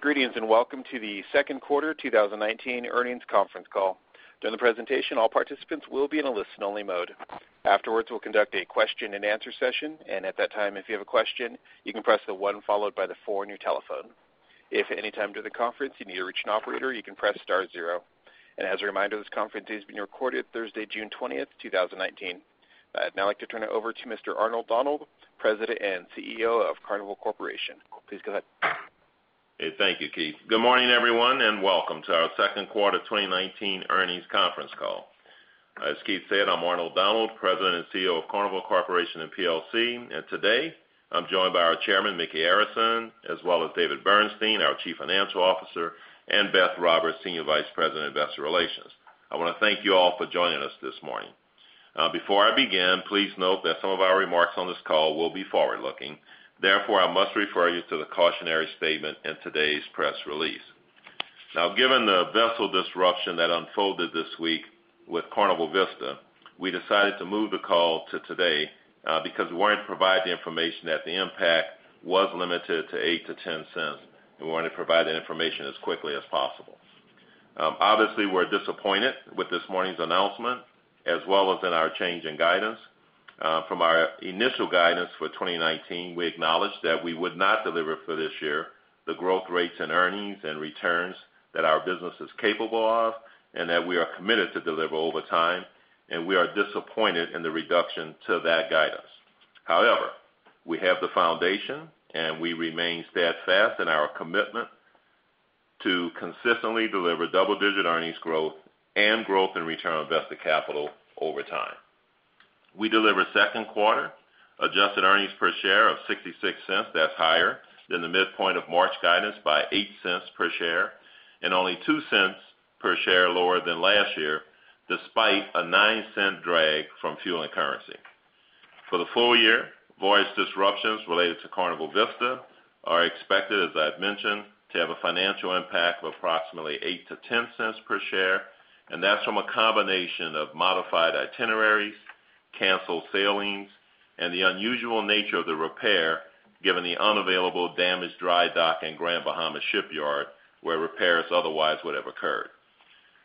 Greetings. Welcome to the second quarter 2019 earnings conference call. During the presentation, all participants will be in a listen-only mode. Afterwards, we'll conduct a question and answer session, and at that time, if you have a question, you can press the one followed by the four on your telephone. If at any time during the conference you need to reach an operator, you can press star zero. As a reminder, this conference is being recorded Thursday, June 20th, 2019. I'd now like to turn it over to Mr. Arnold Donald, President and CEO of Carnival Corporation. Please go ahead. Thank you, Keith. Good morning, everyone. Welcome to our second quarter 2019 earnings conference call. As Keith said, I'm Arnold Donald, President and CEO of Carnival Corporation and plc. Today I'm joined by our chairman, Micky Arison, as well as David Bernstein, our Chief Financial Officer, and Beth Roberts, Senior Vice President, Investor Relations. I want to thank you all for joining us this morning. Before I begin, please note that some of our remarks on this call will be forward-looking. Therefore, I must refer you to the cautionary statement in today's press release. Given the vessel disruption that unfolded this week with Carnival Vista, we decided to move the call to today because we wanted to provide the information that the impact was limited to $0.08 to $0.10. We wanted to provide that information as quickly as possible. Obviously, we're disappointed with this morning's announcement as well as in our change in guidance. From our initial guidance for 2019, we acknowledged that we would not deliver for this year the growth rates and earnings and returns that our business is capable of and that we are committed to deliver over time. We are disappointed in the reduction to that guidance. However, we have the foundation. We remain steadfast in our commitment to consistently deliver double-digit earnings growth and growth in return on invested capital over time. We delivered second quarter adjusted earnings per share of $0.66. That's higher than the midpoint of March guidance by $0.08 per share and only $0.02 per share lower than last year, despite a $0.09 drag from fuel and currency. For the full year, voyage disruptions related to Carnival Vista are expected, as I've mentioned, to have a financial impact of approximately $0.08 to $0.10 per share. That's from a combination of modified itineraries, canceled sailings, and the unusual nature of the repair, given the unavailable damaged dry dock in Grand Bahama Shipyard, where repairs otherwise would have occurred.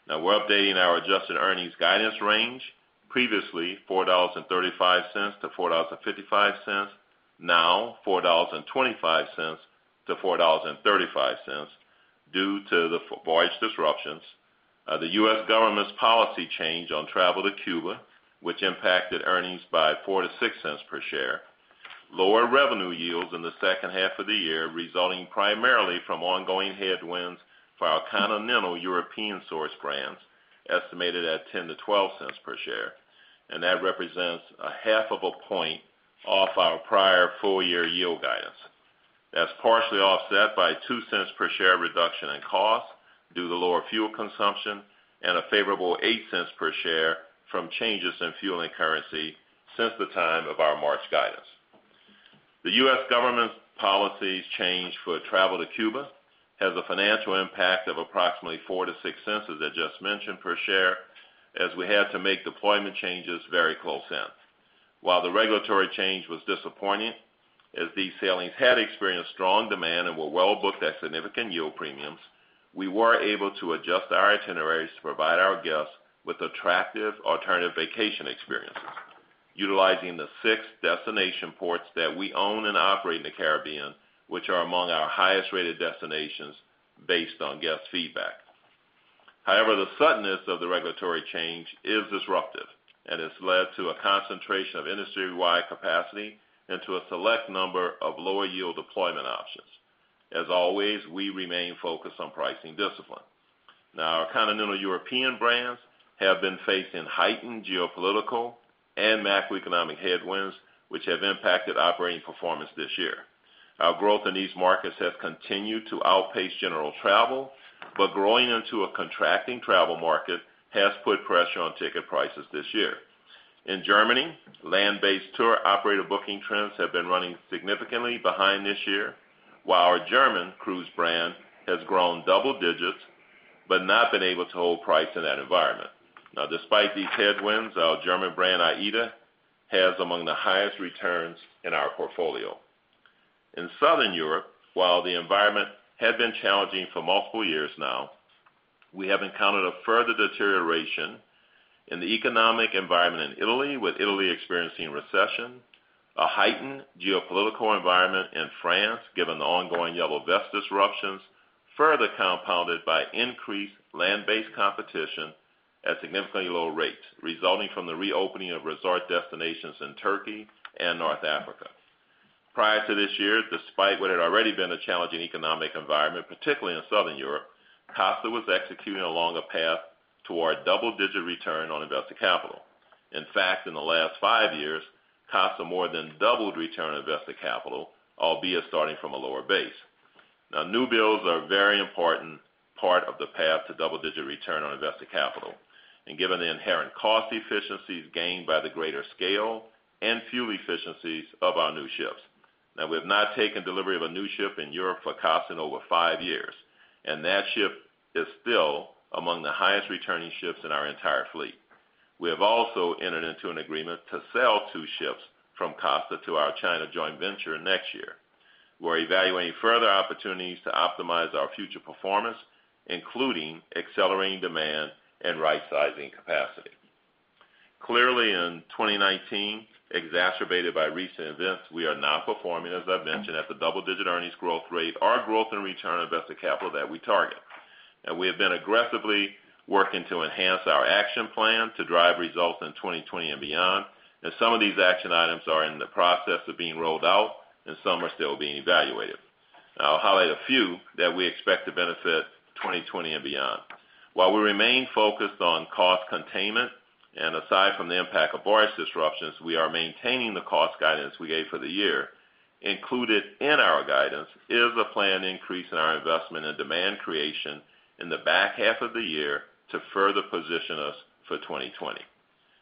We're updating our adjusted earnings guidance range, previously $4.35 to $4.55, now $4.25 to $4.35 due to the voyage disruptions, the U.S. government's policy change on travel to Cuba, which impacted earnings by $0.04 to $0.06 per share, lower revenue yields in the second half of the year, resulting primarily from ongoing headwinds for our Continental European-sourced brands, estimated at $0.10 to $0.12 per share. That represents a half of a point off our prior full-year yield guidance. That's partially offset by $0.02 per share reduction in cost due to lower fuel consumption and a favorable $0.08 per share from changes in fuel and currency since the time of our March guidance. The U.S. government's policies change for travel to Cuba has a financial impact of approximately $0.04-$0.06, as I just mentioned, per share, as we had to make deployment changes very close in. While the regulatory change was disappointing, as these sailings had experienced strong demand and were well-booked at significant yield premiums, we were able to adjust our itineraries to provide our guests with attractive alternative vacation experiences utilizing the six destination ports that we own and operate in the Caribbean, which are among our highest-rated destinations based on guest feedback. The suddenness of the regulatory change is disruptive and has led to a concentration of industry-wide capacity into a select number of lower-yield deployment options. As always, we remain focused on pricing discipline. Our Continental European brands have been facing heightened geopolitical and macroeconomic headwinds, which have impacted operating performance this year. Our growth in these markets has continued to outpace general travel, but growing into a contracting travel market has put pressure on ticket prices this year. In Germany, land-based tour operator booking trends have been running significantly behind this year, while our German cruise brand has grown double digits but not been able to hold price in that environment. Despite these headwinds, our German brand, AIDA, has among the highest returns in our portfolio. In Southern Europe, while the environment had been challenging for multiple years now, we have encountered a further deterioration in the economic environment in Italy, with Italy experiencing recession, a heightened geopolitical environment in France, given the ongoing yellow vest disruptions, further compounded by increased land-based competition at significantly lower rates, resulting from the reopening of resort destinations in Turkey and North Africa. Prior to this year, despite what had already been a challenging economic environment, particularly in Southern Europe, Costa was executing along a path toward double-digit return on invested capital. In fact, in the last 5 years, Costa more than doubled return on invested capital, albeit starting from a lower base. New builds are a very important part of the path to double-digit return on invested capital and given the inherent cost efficiencies gained by the greater scale and fuel efficiencies of our new ships. We have not taken delivery of a new ship in Europe for Costa in over 5 years, and that ship is still among the highest returning ships in our entire fleet. We have also entered into an agreement to sell 2 ships from Costa to our China joint venture next year. We're evaluating further opportunities to optimize our future performance, including accelerating demand and right-sizing capacity. Clearly, in 2019, exacerbated by recent events, we are not performing, as I've mentioned, at the double-digit earnings growth rate or growth in return on invested capital that we target. We have been aggressively working to enhance our action plan to drive results in 2020 and beyond, and some of these action items are in the process of being rolled out, and some are still being evaluated. I'll highlight a few that we expect to benefit 2020 and beyond. While we remain focused on cost containment, aside from the impact of Brexit disruptions, we are maintaining the cost guidance we gave for the year. Included in our guidance is a planned increase in our investment and demand creation in the back half of the year to further position us for 2020.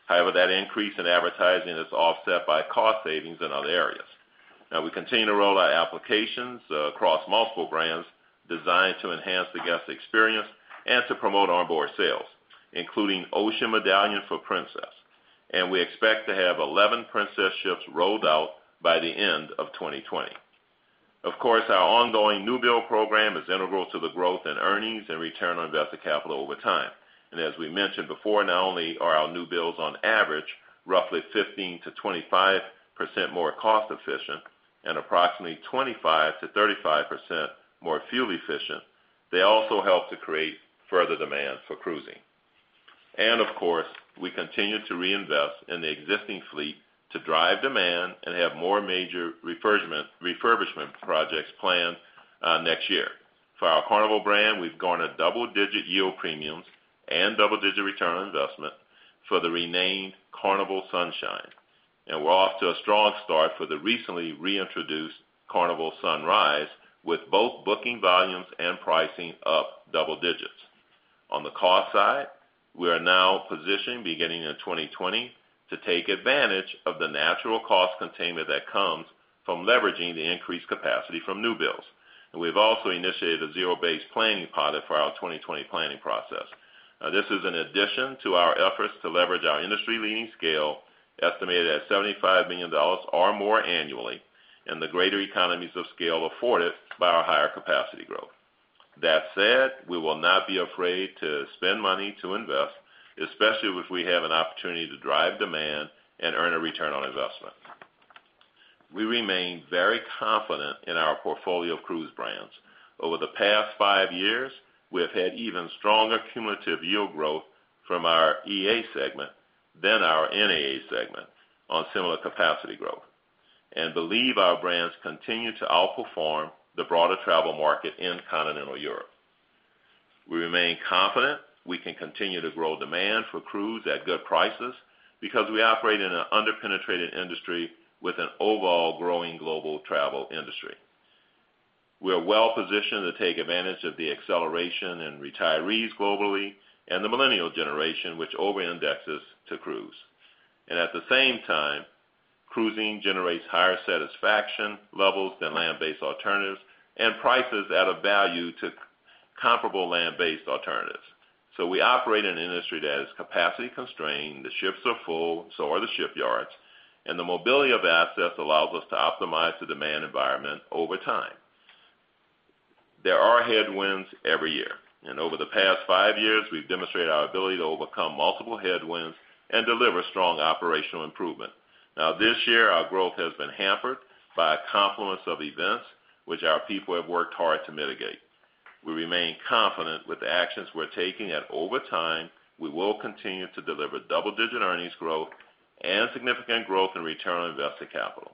However, that increase in advertising is offset by cost savings in other areas. We continue to roll out applications across multiple brands designed to enhance the guest experience and to promote onboard sales, including OceanMedallion for Princess, and we expect to have 11 Princess ships rolled out by the end of 2020. Of course, our ongoing new build program is integral to the growth in earnings and return on invested capital over time. As we mentioned before, not only are our new builds on average roughly 15%-25% more cost-efficient and approximately 25%-35% more fuel-efficient, they also help to create further demand for cruising. Of course, we continue to reinvest in the existing fleet to drive demand and have more major refurbishment projects planned next year. For our Carnival brand, we've garnered double-digit yield premiums and double-digit return on investment for the renamed Carnival Sunshine. We're off to a strong start for the recently reintroduced Carnival Sunrise, with both booking volumes and pricing up double digits. On the cost side, we are now positioned beginning in 2020 to take advantage of the natural cost containment that comes from leveraging the increased capacity from new builds. We've also initiated a zero-based planning pilot for our 2020 planning process. This is an addition to our efforts to leverage our industry-leading scale, estimated at $75 million or more annually, and the greater economies of scale afforded by our higher capacity growth. That said, we will not be afraid to spend money to invest, especially if we have an opportunity to drive demand and earn a return on investment. We remain very confident in our portfolio of cruise brands. Over the past five years, we have had even stronger cumulative yield growth from our EA segment than our NAA segment on similar capacity growth and believe our brands continue to outperform the broader travel market in continental Europe. We remain confident we can continue to grow demand for cruise at good prices because we operate in an under-penetrated industry with an overall growing global travel industry. We are well-positioned to take advantage of the acceleration in retirees globally and the millennial generation, which overindexes to cruise. At the same time, cruising generates higher satisfaction levels than land-based alternatives and prices at a value to comparable land-based alternatives. We operate in an industry that is capacity-constrained. The ships are full, so are the shipyards, and the mobility of assets allows us to optimize the demand environment over time. There are headwinds every year. Over the past five years, we've demonstrated our ability to overcome multiple headwinds and deliver strong operational improvement. This year, our growth has been hampered by a confluence of events, which our people have worked hard to mitigate. We remain confident with the actions we're taking, and over time, we will continue to deliver double-digit earnings growth and significant growth in return on invested capital.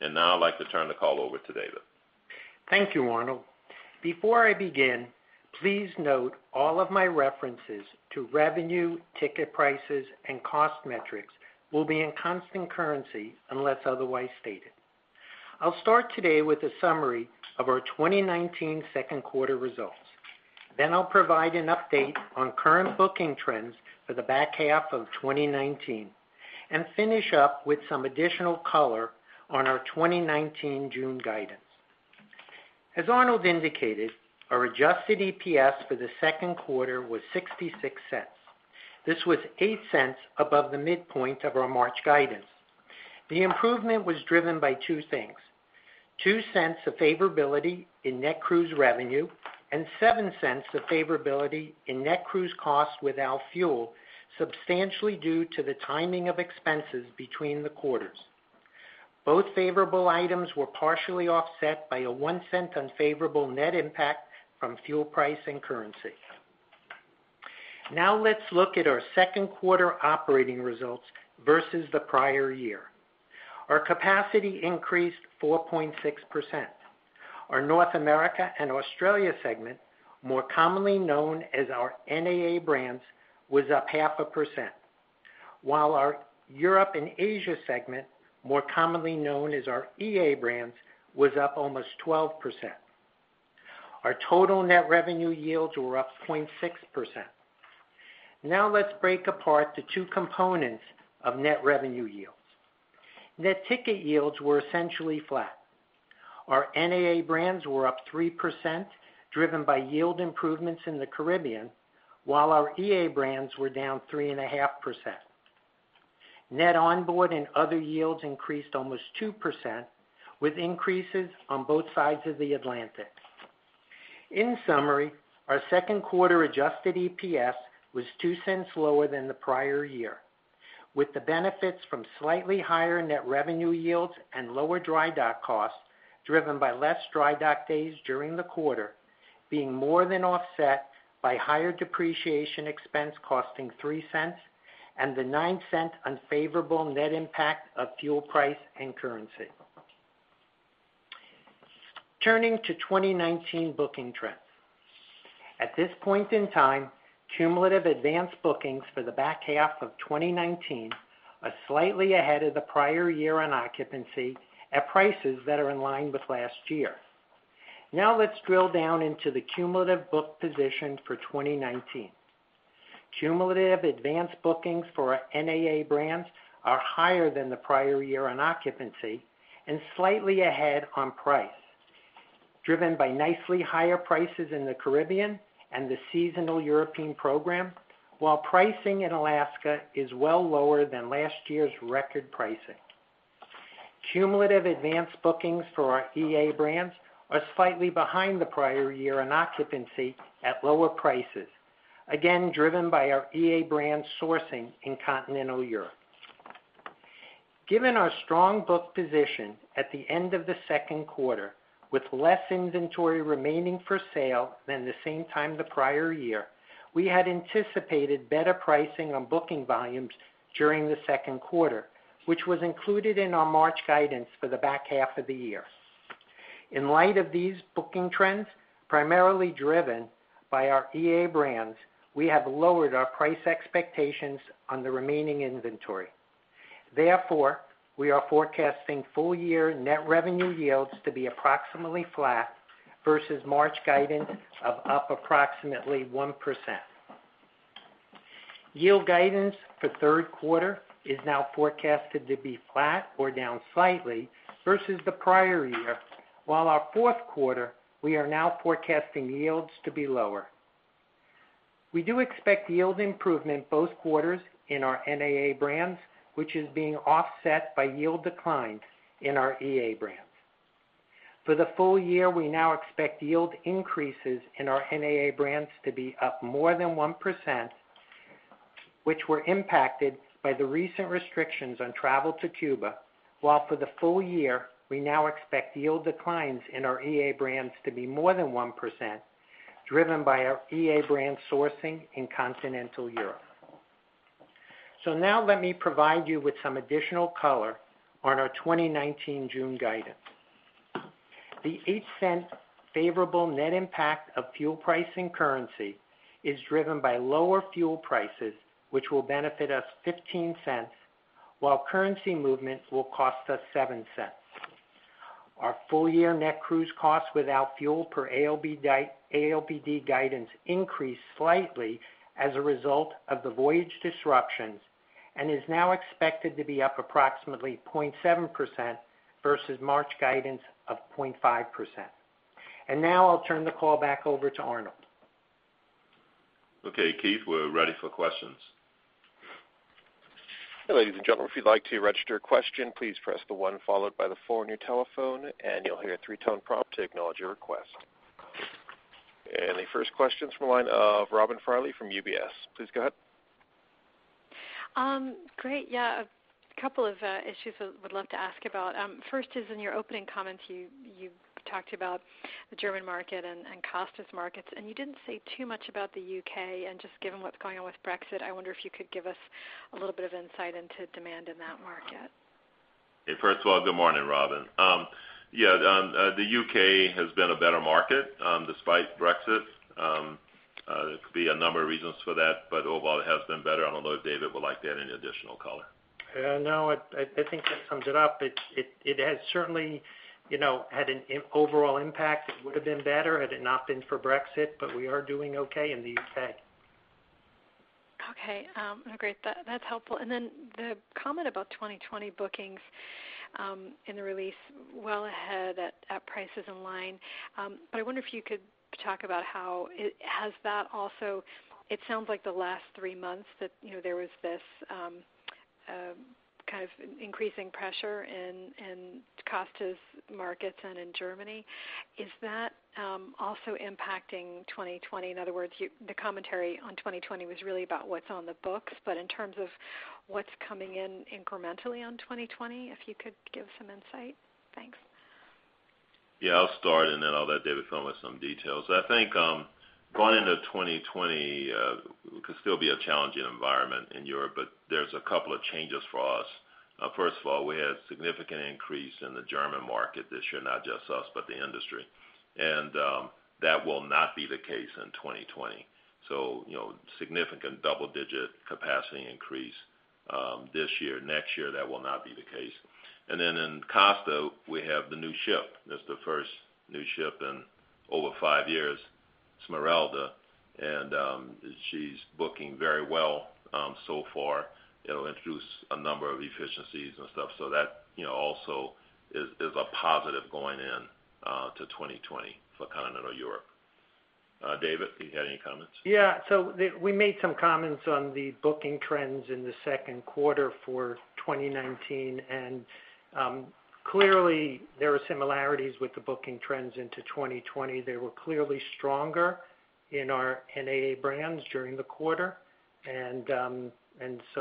I'd like to turn the call over to David. Thank you, Arnold. Before I begin, please note all of my references to revenue, ticket prices, and cost metrics will be in constant currency unless otherwise stated. I'll start today with a summary of our 2019 second quarter results. I'll provide an update on current booking trends for the back half of 2019, finish up with some additional color on our 2019 June guidance. As Arnold indicated, our adjusted EPS for the second quarter was $0.66. This was $0.08 above the midpoint of our March guidance. The improvement was driven by two things: $0.02 of favorability in net cruise revenue and $0.07 of favorability in net cruise costs without fuel, substantially due to the timing of expenses between the quarters. Both favorable items were partially offset by a $0.01 unfavorable net impact from fuel price and currency. Let's look at our second quarter operating results versus the prior year. Our capacity increased 4.6%. Our North America and Australia segment, more commonly known as our NAA brands, was up half a percent, while our Europe and Asia segment, more commonly known as our EA brands, was up almost 12%. Our total net revenue yields were up 0.6%. Let's break apart the two components of net revenue yields. Net ticket yields were essentially flat. Our NAA brands were up 3%, driven by yield improvements in the Caribbean, while our EA brands were down 3.5%. Net onboard and other yields increased almost 2%, with increases on both sides of the Atlantic. In summary, our second quarter adjusted EPS was $0.02 lower than the prior year, with the benefits from slightly higher net revenue yields and lower dry dock costs, driven by less dry dock days during the quarter, being more than offset by higher depreciation expense costing $0.03, and the $0.09 unfavorable net impact of fuel price and currency. Turning to 2019 booking trends. At this point in time, cumulative advanced bookings for the back half of 2019 are slightly ahead of the prior year on occupancy, at prices that are in line with last year. Let's drill down into the cumulative book position for 2019. Cumulative advanced bookings for our NAA brands are higher than the prior year on occupancy, slightly ahead on price, driven by nicely higher prices in the Caribbean and the seasonal European program, while pricing in Alaska is well lower than last year's record pricing. Cumulative advanced bookings for our EA brands are slightly behind the prior year on occupancy at lower prices, again, driven by our EA brand sourcing in continental Europe. Given our strong book position at the end of the second quarter, with less inventory remaining for sale than the same time the prior year, we had anticipated better pricing on booking volumes during the second quarter, which was included in our March guidance for the back half of the year. In light of these booking trends, primarily driven by our EA brands, we have lowered our price expectations on the remaining inventory. We are forecasting full-year net revenue yields to be approximately flat versus March guidance of up approximately 1%. Yield guidance for third quarter is now forecasted to be flat or down slightly versus the prior year, while our fourth quarter, we are now forecasting yields to be lower. We do expect yield improvement both quarters in our NAA brands, which is being offset by yield declines in our EA brands. For the full year, we now expect yield increases in our NAA brands to be up more than 1%, which were impacted by the recent restrictions on travel to Cuba. For the full year, we now expect yield declines in our EA brands to be more than 1%, driven by our EA brand sourcing in continental Europe. Now let me provide you with some additional color on our 2019 June guidance. The $0.08 favorable net impact of fuel price and currency is driven by lower fuel prices, which will benefit us $0.15, while currency movements will cost us $0.07. Our full-year net cruise costs without fuel per ALBD guidance increased slightly as a result of the voyage disruptions, and is now expected to be up approximately 0.7% versus March guidance of 0.5%. Now I'll turn the call back over to Arnold. Okay, Keith, we're ready for questions. Ladies and gentlemen, if you'd like to register a question, please press the one followed by the four on your telephone, and you'll hear a three-tone prompt to acknowledge your request. The first question is from the line of Robin Farley from UBS. Please go ahead. Great. Yeah, a couple of issues I would love to ask about. First is in your opening comments, you talked about the German market and Costa's markets, you didn't say too much about the U.K. Just given what's going on with Brexit, I wonder if you could give us a little bit of insight into demand in that market. First of all, good morning, Robin. Yeah, the U.K. has been a better market despite Brexit. There could be a number of reasons for that, but overall it has been better. I don't know if David would like to add any additional color. No, I think that sums it up. It has certainly had an overall impact. It would have been better had it not been for Brexit, but we are doing okay in the U.K. Okay. Great. That's helpful. The comment about 2020 bookings in the release, well ahead at prices in line. I wonder if you could talk about how it sounds like the last three months that there was this kind of increasing pressure in Costa's markets and in Germany. Is that also impacting 2020? In other words, the commentary on 2020 was really about what's on the books, in terms of what's coming in incrementally on 2020, if you could give some insight. Thanks. Yeah, I'll start, I'll let David fill in with some details. I think going into 2020 could still be a challenging environment in Europe, there's a couple of changes for us. First of all, we had a significant increase in the German market this year, not just us, the industry. That will not be the case in 2020. Significant double-digit capacity increase this year. Next year, that will not be the case. In Costa, we have the new ship. That's the first new ship in over five years. Smeralda, and she's booking very well so far. It'll introduce a number of efficiencies and stuff, that also is a positive going in to 2020 for Continental Europe. David, do you have any comments? Yeah. We made some comments on the booking trends in the second quarter for 2019, clearly there are similarities with the booking trends into 2020. They were clearly stronger in our NAA brands during the quarter.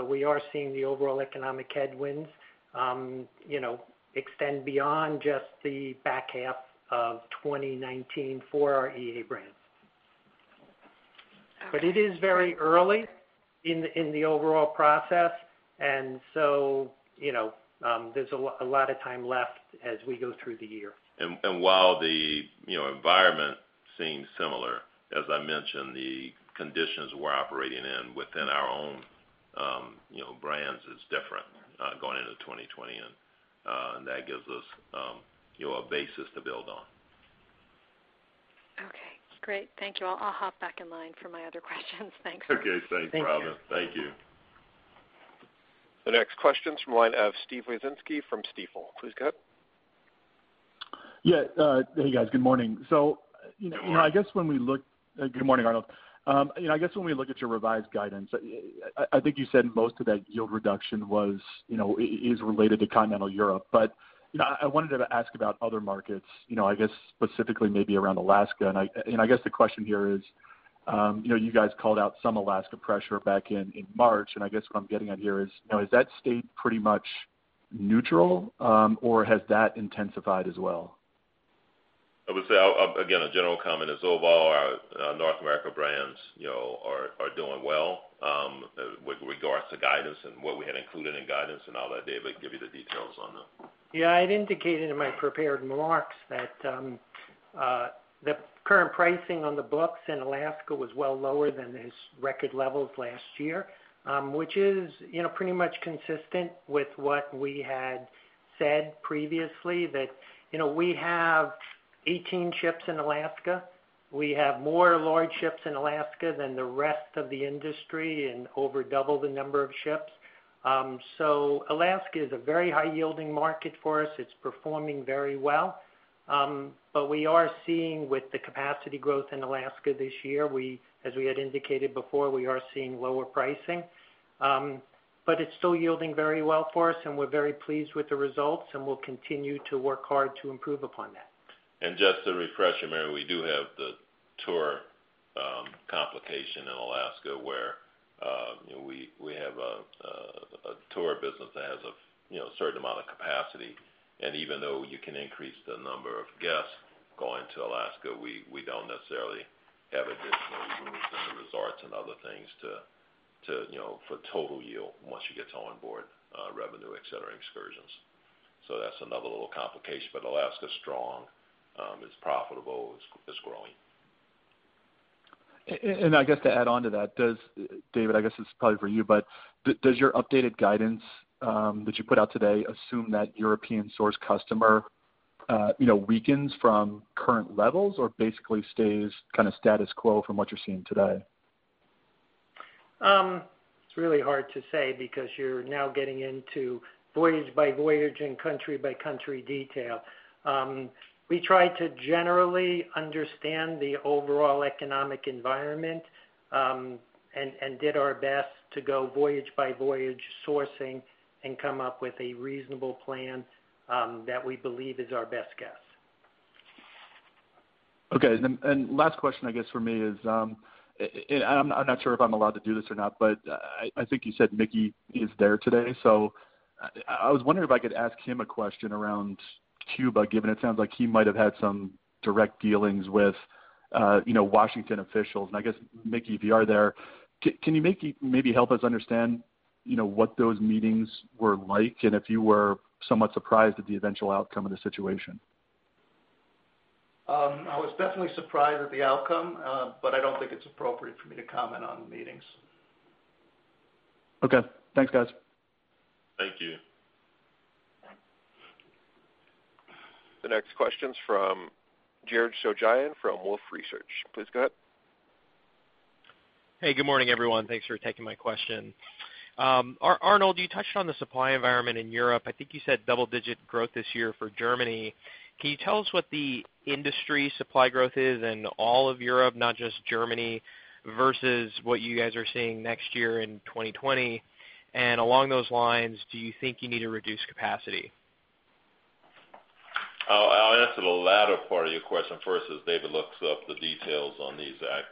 We are seeing the overall economic headwinds extend beyond just the back half of 2019 for our EA brands. Okay. It is very early in the overall process, there's a lot of time left as we go through the year. While the environment seems similar, as I mentioned, the conditions we're operating in within our own brands is different going into 2020, and that gives us a basis to build on. Okay, great. Thank you. I'll hop back in line for my other questions. Thanks. Okay. Thanks, Robin. Thank you. Thank you. The next question's from the line of Steve Wieczynski from Stifel. Please go ahead. Yeah. Hey, guys. Good morning. Good morning, Arnold. I guess when we look at your revised guidance, I think you said most of that yield reduction is related to Continental Europe. I wanted to ask about other markets, I guess specifically maybe around Alaska, and I guess the question here is, you guys called out some Alaska pressure back in March, and I guess what I'm getting at here is, has that stayed pretty much neutral, or has that intensified as well? I would say, again, a general comment is overall our North America brands are doing well, with regards to guidance and what we had included in guidance and all that. David, give you the details on them. Yeah. I'd indicated in my prepared remarks that the current pricing on the books in Alaska was well lower than its record levels last year, which is pretty much consistent with what we had said previously, that we have 18 ships in Alaska. We have more large ships in Alaska than the rest of the industry and over double the number of ships. Alaska is a very high-yielding market for us. It's performing very well. We are seeing with the capacity growth in Alaska this year, as we had indicated before, we are seeing lower pricing. It's still yielding very well for us, and we're very pleased with the results, and we'll continue to work hard to improve upon that. Just to refresh your memory, we do have the tour complication in Alaska, where we have a tour business that has a certain amount of capacity, and even though you can increase the number of guests going to Alaska, we don't necessarily have additional rooms in the resorts and other things for total yield once you get onboard revenue, et cetera, excursions. That's another little complication, Alaska's strong. It's profitable. It's growing. I guess to add on to that, David, does your updated guidance that you put out today assume that European source customer weakens from current levels or basically stays status quo from what you're seeing today? It's really hard to say because you're now getting into voyage-by-voyage and country-by-country detail. We try to generally understand the overall economic environment, and did our best to go voyage-by-voyage sourcing and come up with a reasonable plan that we believe is our best guess. Okay. Last question, I guess, from me is, I'm not sure if I'm allowed to do this or not, but I think you said Micky is there today. I was wondering if I could ask him a question around Cuba, given it sounds like he might have had some direct dealings with Washington officials. I guess, Micky, if you are there, can you maybe help us understand what those meetings were like, and if you were somewhat surprised at the eventual outcome of the situation? I was definitely surprised at the outcome, I don't think it's appropriate for me to comment on the meetings. Okay. Thanks, guys. Thank you. Yeah. The next question's from Jared Shojaian from Wolfe Research. Please go ahead. Hey, good morning, everyone. Thanks for taking my question. Arnold, you touched on the supply environment in Europe. I think you said double-digit growth this year for Germany. Can you tell us what the industry supply growth is in all of Europe, not just Germany, versus what you guys are seeing next year in 2020? Along those lines, do you think you need to reduce capacity? I'll answer the latter part of your question first as David looks up the details on the exact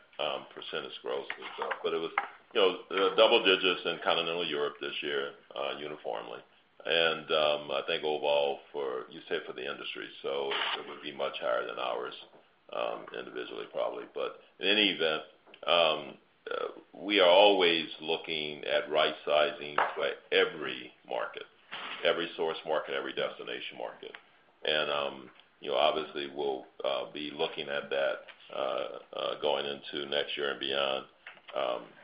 percentage growth and stuff. It was double digits in Continental Europe this year uniformly. I think overall for You said for the industry, it would be much higher than ours individually probably. In any event, we are always looking at right-sizing for every market, every source market, every destination market. Obviously we'll be looking at that going into next year and beyond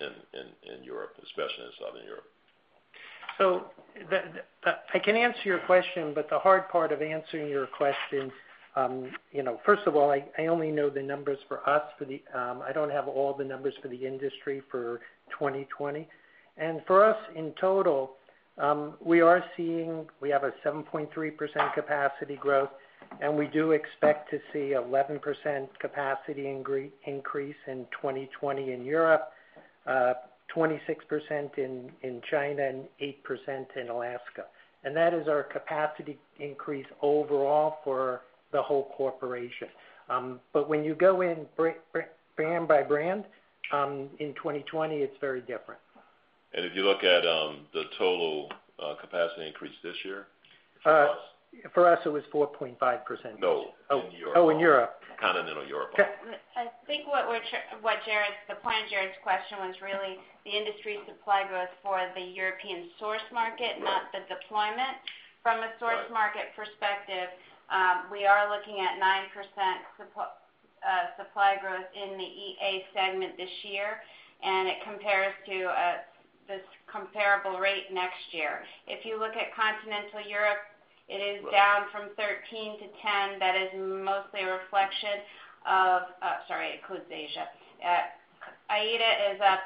in Europe, especially in Southern Europe. I can answer your question, the hard part of answering your question, first of all, I only know the numbers for us. I don't have all the numbers for the industry for 2020. For us, in total, we are seeing we have a 7.3% capacity growth, we do expect to see 11% capacity increase in 2020 in Europe, 26% in China, and 8% in Alaska. That is our capacity increase overall for the whole corporation. When you go in brand by brand, in 2020, it's very different. If you look at the total capacity increase this year for us? For us, it was 4.5%. No, in Europe. Oh, in Europe. Continental Europe. I think the point of Jared's question was really the industry supply growth for the European source market, not the deployment. From a source market perspective, we are looking at 9% supply growth in the EA segment this year, and it compares to this comparable rate next year. If you look at Continental Europe, it is down from 13% to 10%. That is mostly a reflection of Sorry, it includes Asia. AIDA is up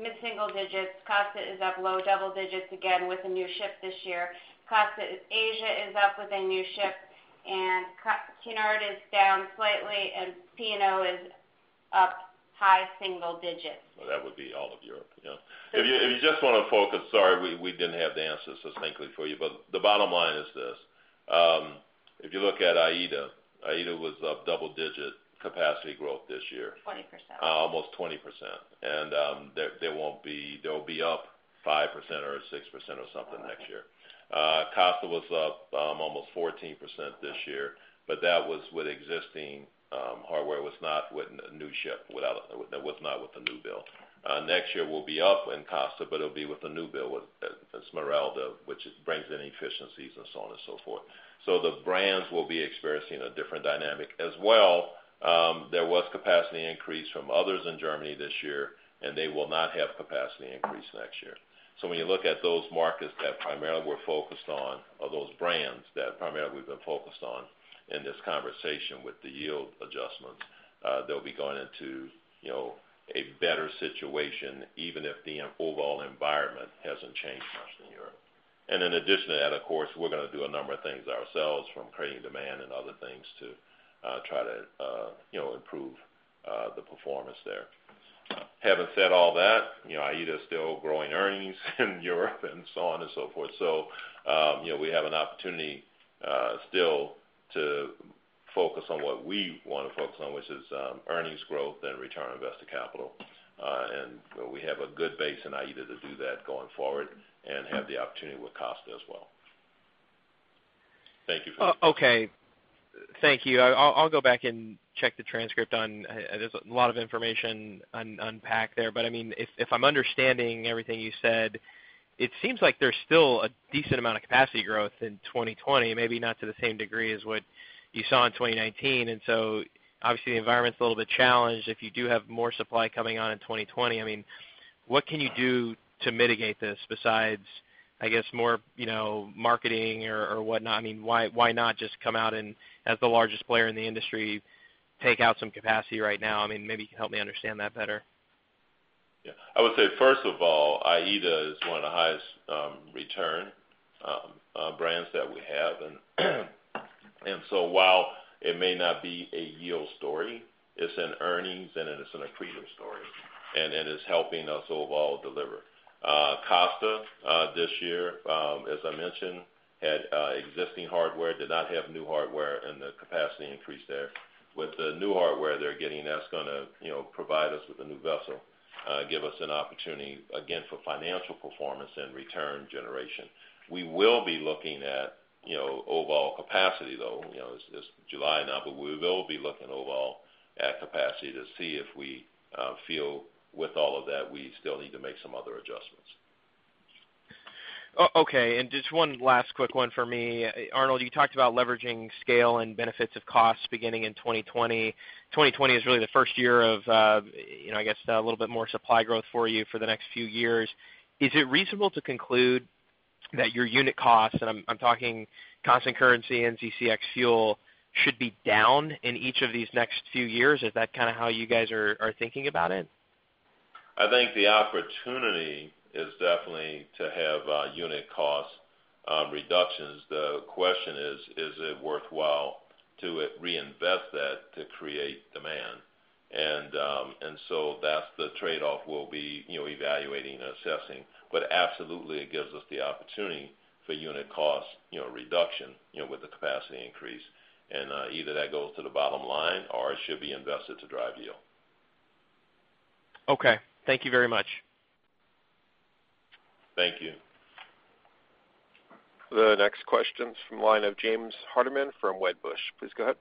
mid-single digits. Costa is up low double digits, again, with a new ship this year. Costa Asia is up with a new ship, and Cunard is down slightly, and P&O is up high single digits. Well, that would be all of Europe. Yeah. If you just want to focus, sorry, we didn't have the answers as neatly for you, but the bottom line is this. If you look at AIDA was up double-digit capacity growth this year. 20%. Almost 20%. They'll be up 5% or 6% or something next year. Costa was up almost 14% this year, but that was with existing hardware. It was not with a new ship, it was not with the new build. Next year, we'll be up in Costa, but it'll be with the new build, with Smeralda, which brings in efficiencies and so on and so forth. The brands will be experiencing a different dynamic. As well, there was capacity increase from others in Germany this year, and they will not have capacity increase next year. When you look at those markets that primarily we're focused on, or those brands that primarily we've been focused on in this conversation with the yield adjustments, they'll be going into a better situation, even if the overall environment hasn't changed much in Europe. In addition to that, of course, we're going to do a number of things ourselves, from creating demand and other things to try to improve the performance there. Having said all that, AIDA is still growing earnings in Europe and so on and so forth. We have an opportunity still to focus on what we want to focus on, which is earnings growth and return on invested capital. We have a good base in AIDA to do that going forward and have the opportunity with Costa as well. Thank you. Okay. Thank you. I'll go back and check the transcript on. There's a lot of information unpacked there. If I'm understanding everything you said, it seems like there's still a decent amount of capacity growth in 2020, maybe not to the same degree as what you saw in 2019. Obviously, the environment's a little bit challenged. If you do have more supply coming on in 2020, what can you do to mitigate this besides, I guess, more marketing or whatnot? Why not just come out and, as the largest player in the industry, take out some capacity right now? Maybe you can help me understand that better. Yeah. I would say, first of all, AIDA is one of the highest return brands that we have. While it may not be a yield story, it's an earnings and it is an accretive story, and it is helping us overall deliver. Costa, this year, as I mentioned, had existing hardware, did not have new hardware and the capacity increase there. With the new hardware they're getting, that's going to provide us with a new vessel, give us an opportunity, again, for financial performance and return generation. We will be looking at overall capacity, though. It's July now, but we will be looking overall at capacity to see if we feel with all of that, we still need to make some other adjustments. Okay, just one last quick one for me. Arnold, you talked about leveraging scale and benefits of costs beginning in 2020. 2020 is really the first year of, I guess, a little bit more supply growth for you for the next few years. Is it reasonable to conclude that your unit costs, and I'm talking constant currency and ex fuel, should be down in each of these next few years? Is that how you guys are thinking about it? I think the opportunity is definitely to have unit cost reductions. The question is: Is it worthwhile to reinvest that to create demand? That's the trade-off we'll be evaluating and assessing. Absolutely, it gives us the opportunity for unit cost reduction with the capacity increase, and either that goes to the bottom line or it should be invested to drive yield. Okay. Thank you very much. Thank you. The next question's from the line of James Hardiman from Wedbush. Please go ahead.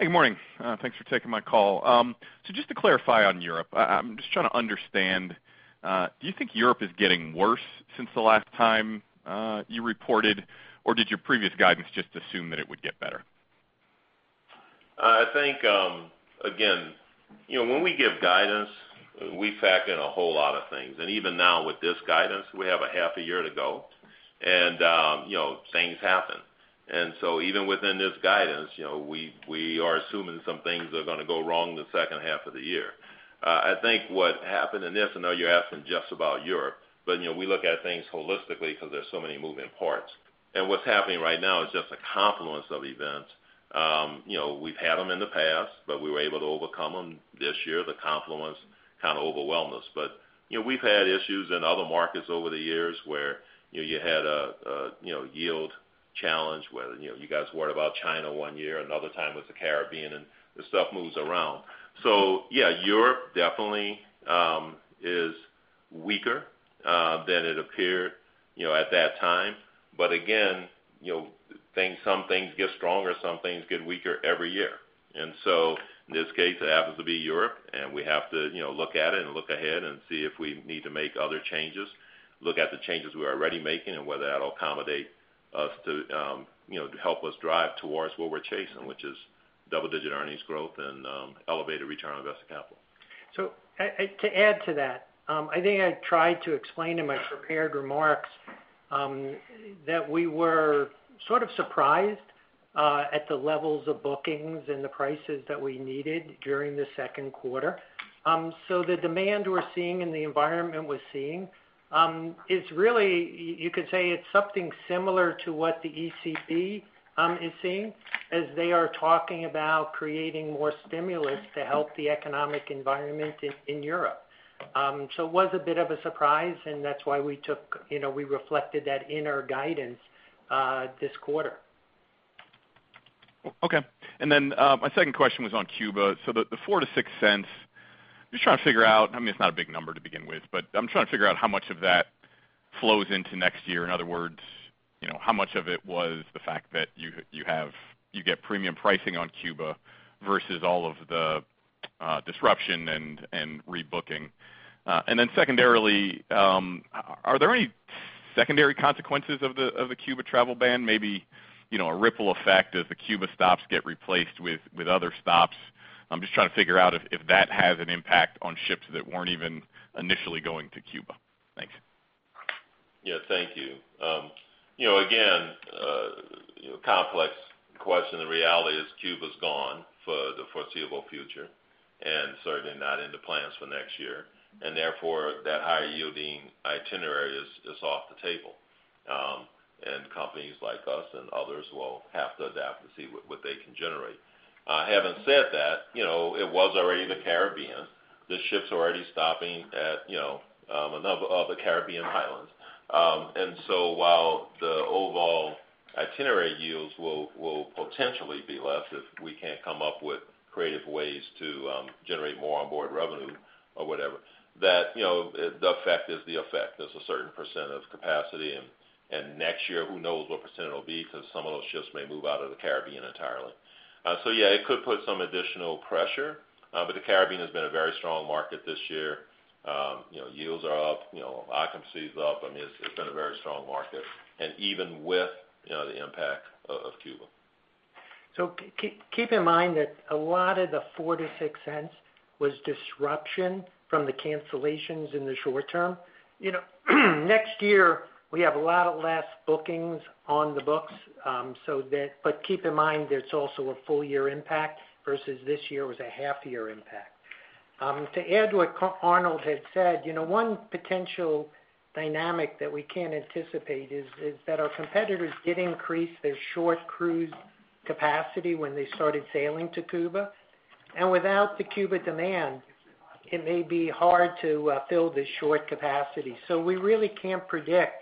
Good morning. Thanks for taking my call. Just to clarify on Europe, I'm just trying to understand, do you think Europe is getting worse since the last time you reported, or did your previous guidance just assume that it would get better? I think, again, when we give guidance, we factor in a whole lot of things. Even now with this guidance, we have a half a year to go and things happen. Even within this guidance, we are assuming some things are going to go wrong in the second half of the year. I think what happened, and I know you're asking just about Europe, but we look at things holistically because there's so many moving parts. What's happening right now is just a confluence of events. We've had them in the past, but we were able to overcome them. This year, the confluence kind of overwhelmed us. We've had issues in other markets over the years where you had a yield challenge, whether you guys worried about China one year, another time it was the Caribbean, and the stuff moves around. Yeah, Europe definitely is weaker than it appeared at that time. Again, some things get stronger, some things get weaker every year. In this case, it happens to be Europe, and we have to look at it and look ahead and see if we need to make other changes, look at the changes we are already making and whether that'll accommodate us to help us drive towards what we're chasing, which is double-digit earnings growth and elevated return on invested capital. To add to that, I think I tried to explain in my prepared remarks, that we were sort of surprised at the levels of bookings and the prices that we needed during the second quarter. The demand we're seeing and the environment we're seeing, you could say it's something similar to what the ECB is seeing as they are talking about creating more stimulus to help the economic environment in Europe. It was a bit of a surprise, and that's why we reflected that in our guidance this quarter. My second question was on Cuba. The $0.04-$0.06, I'm just trying to figure out, it's not a big number to begin with, but I'm trying to figure out how much of that flows into next year. In other words, how much of it was the fact that you get premium pricing on Cuba versus all of the disruption and rebooking. Secondarily, are there any secondary consequences of the Cuba travel ban? Maybe a ripple effect as the Cuba stops get replaced with other stops. I'm just trying to figure out if that has an impact on ships that weren't even initially going to Cuba. Thanks. Yeah, thank you. Again, complex question. The reality is Cuba's gone for the foreseeable future, certainly not in the plans for next year. Therefore, that higher-yielding itinerary is off the table. Companies like us and others will have to adapt to see what they can generate. Having said that, it was already in the Caribbean. The ships are already stopping at other Caribbean islands. While the overall itinerary yields will potentially be less if we can't come up with creative ways to generate more onboard revenue or whatever, the effect is the effect. There's a certain % of capacity, and next year, who knows what % it'll be because some of those ships may move out of the Caribbean entirely. Yeah, it could put some additional pressure, but the Caribbean has been a very strong market this year. Yields are up, occupancy is up. It's been a very strong market, even with the impact of Cuba. Keep in mind that a lot of the $0.04-$0.06 was disruption from the cancellations in the short term. Next year, we have a lot less bookings on the books, keep in mind, there's also a full-year impact versus this year was a half-year impact. To add to what Arnold had said, one potential dynamic that we can anticipate is that our competitors did increase their short cruise capacity when they started sailing to Cuba. Without the Cuba demand, it may be hard to fill the short capacity. We really can't predict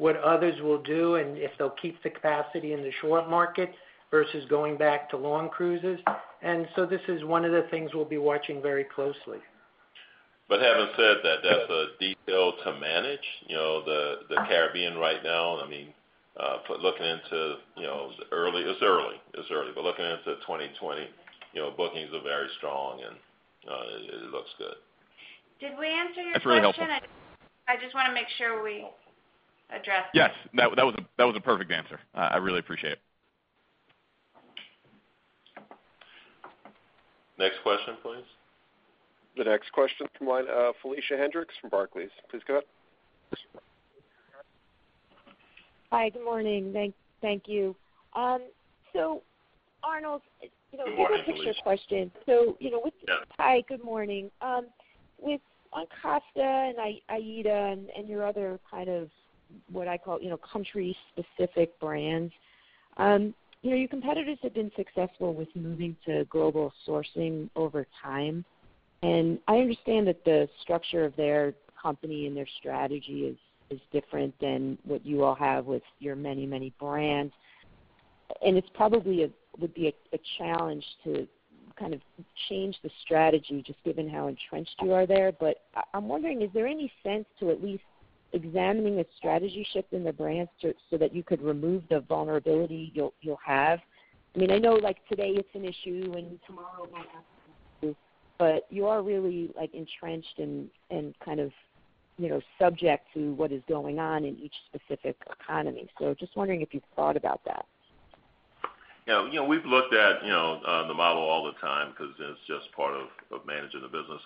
what others will do and if they'll keep the capacity in the short market versus going back to long cruises. This is one of the things we'll be watching very closely. Having said that's a detail to manage. The Caribbean right now, looking into. It's early. Looking into 2020, bookings are very strong, and it looks good. Did we answer your question? That's very helpful. I just want to make sure we addressed it. Yes. That was a perfect answer. I really appreciate it. Next question, please. The next question from line, Felicia Hendrix from Barclays. Please go ahead. Hi. Good morning. Thank you. Arnold. Good morning, Felicia. It's a big picture question. Yeah. Hi, good morning. On Costa and AIDA and your other kind of what I call country-specific brands, your competitors have been successful with moving to global sourcing over time. I understand that the structure of their company and their strategy is different than what you all have with your many, many brands. It probably would be a challenge to change the strategy, just given how entrenched you are there. I'm wondering, is there any sense to at least examining a strategy shift in the brands so that you could remove the vulnerability you'll have? I know like today it's an issue, and tomorrow it might not be an issue, but you are really entrenched and Subject to what is going on in each specific economy. Just wondering if you've thought about that. Yeah. We've looked at the model all the time because it's just part of managing the business.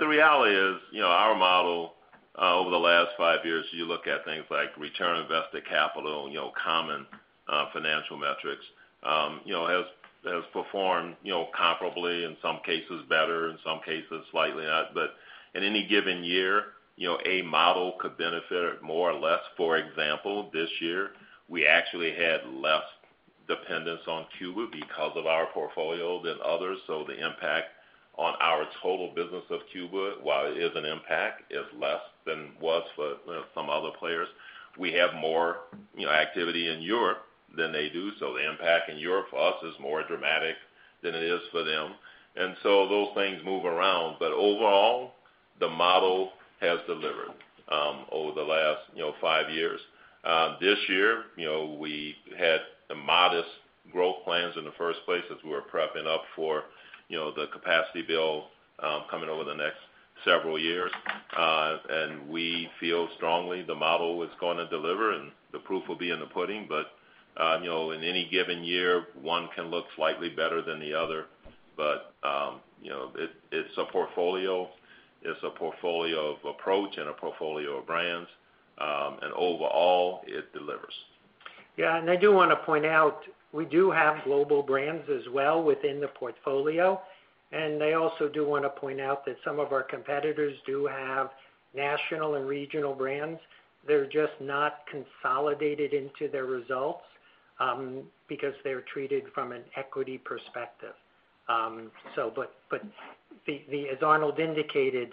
The reality is, our model over the last five years, you look at things like return on invested capital, common financial metrics, has performed comparably, in some cases better, in some cases slightly not. In any given year, a model could benefit more or less. For example, this year, we actually had less dependence on Cuba because of our portfolio than others, so the impact on our total business of Cuba, while it is an impact, is less than it was for some other players. We have more activity in Europe than they do, so the impact in Europe for us is more dramatic than it is for them. Those things move around. Overall, the model has delivered over the last five years. This year, we had modest growth plans in the first place as we were prepping up for the capacity build coming over the next several years. We feel strongly the model is going to deliver, and the proof will be in the pudding. In any given year, one can look slightly better than the other. It's a portfolio of approach and a portfolio of brands. Overall, it delivers. I do want to point out, we do have global brands as well within the portfolio. I also do want to point out that some of our competitors do have national and regional brands. They're just not consolidated into their results, because they're treated from an equity perspective. As Arnold indicated,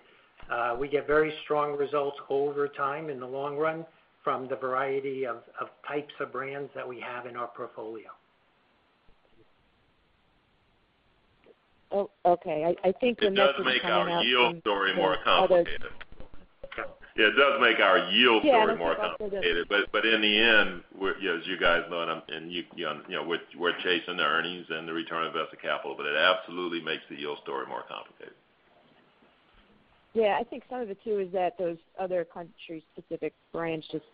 we get very strong results over time in the long run from the variety of types of brands that we have in our portfolio. Okay, I think enough of this coming out. It does make our yield story more complicated. It does make our yield story more complicated. In the end, as you guys know, and you understand, we're chasing the earnings and the return on invested capital, but it absolutely makes the yield story more complicated. Yeah. I think some of it too is that those other country-specific brands, just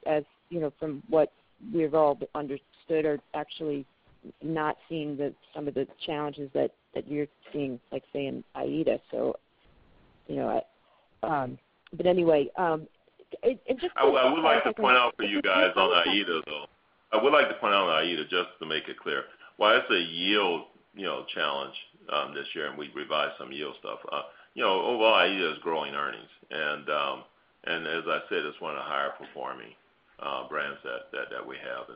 from what we've all understood, are actually not seeing some of the challenges that you're seeing, like, say, in AIDA. Anyway. I would like to point out on AIDA, just to make it clear. While it's a yield challenge this year, and we've revised some yield stuff, overall AIDA is growing earnings. As I said, it's one of the higher performing brand set that we have.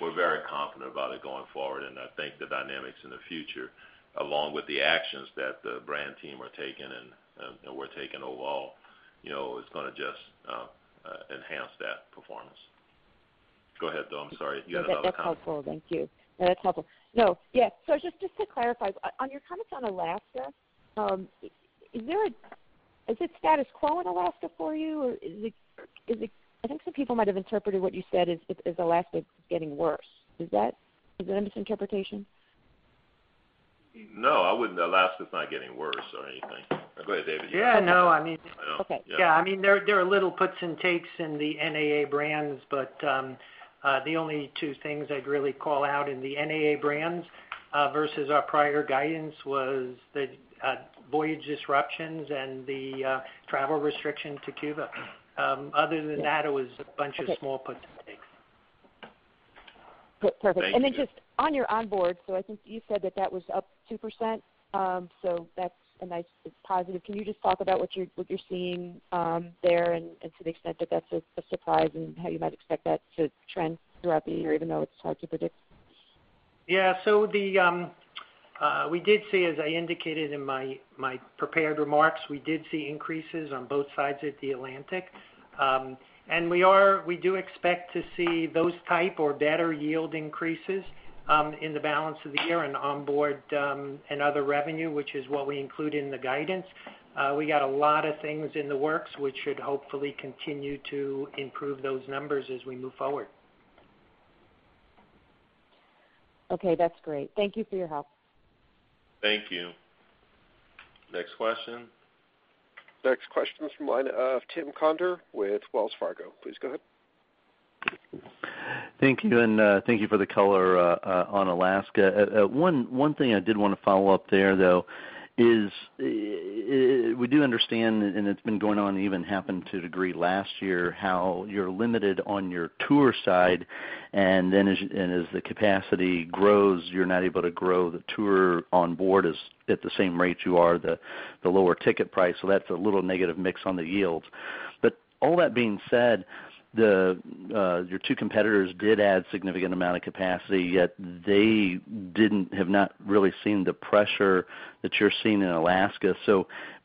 We're very confident about it going forward. I think the dynamics in the future, along with the actions that the brand team are taking and we're taking overall, it's going to just enhance that performance. Go ahead, though. I'm sorry. You had another comment. That's helpful. Thank you. No, yeah. Just to clarify, on your comments on Alaska, is it status quo in Alaska for you? I think some people might have interpreted what you said is Alaska's getting worse. Is that a misinterpretation? No, Alaska's not getting worse or anything. Go ahead, David. Yeah, no. Okay. Yeah. There are little puts and takes in the NAA brands, but the only two things I'd really call out in the NAA brands versus our prior guidance was the voyage disruptions and the travel restriction to Cuba. Other than that, it was a bunch of small puts and takes. Perfect. Thank you. Just on your onboard, so I think you said that that was up 2%, so that's a nice positive. Can you just talk about what you're seeing there and to the extent that that's a surprise and how you might expect that to trend throughout the year, even though it's hard to predict? Yeah. We did see, as I indicated in my prepared remarks, we did see increases on both sides of the Atlantic. We do expect to see those type or better yield increases in the balance of the year and onboard and other revenue, which is what we include in the guidance. We got a lot of things in the works, which should hopefully continue to improve those numbers as we move forward. Okay, that's great. Thank you for your help. Thank you. Next question. Next question is from the line of Tim Conder with Wells Fargo. Please go ahead. Thank you. Thank you for the color on Alaska. One thing I did want to follow up there, though, is we do understand, and it's been going on, even happened to a degree last year, how you're limited on your tour side, and as the capacity grows, you're not able to grow the tour onboard at the same rate you are the lower ticket price. That's a little negative mix on the yields. All that being said, your two competitors did add significant amount of capacity, yet they have not really seen the pressure that you're seeing in Alaska.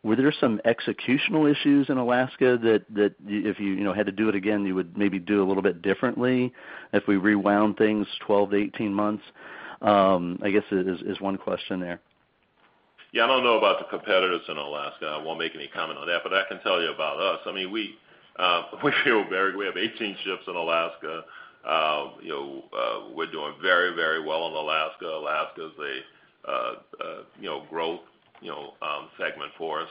Were there some executional issues in Alaska that if you had to do it again, you would maybe do a little bit differently if we rewound things 12-18 months? I guess is one question there. I don't know about the competitors in Alaska. I won't make any comment on that. I can tell you about us. We have 18 ships in Alaska. We're doing very well in Alaska. Alaska is a growth segment for us,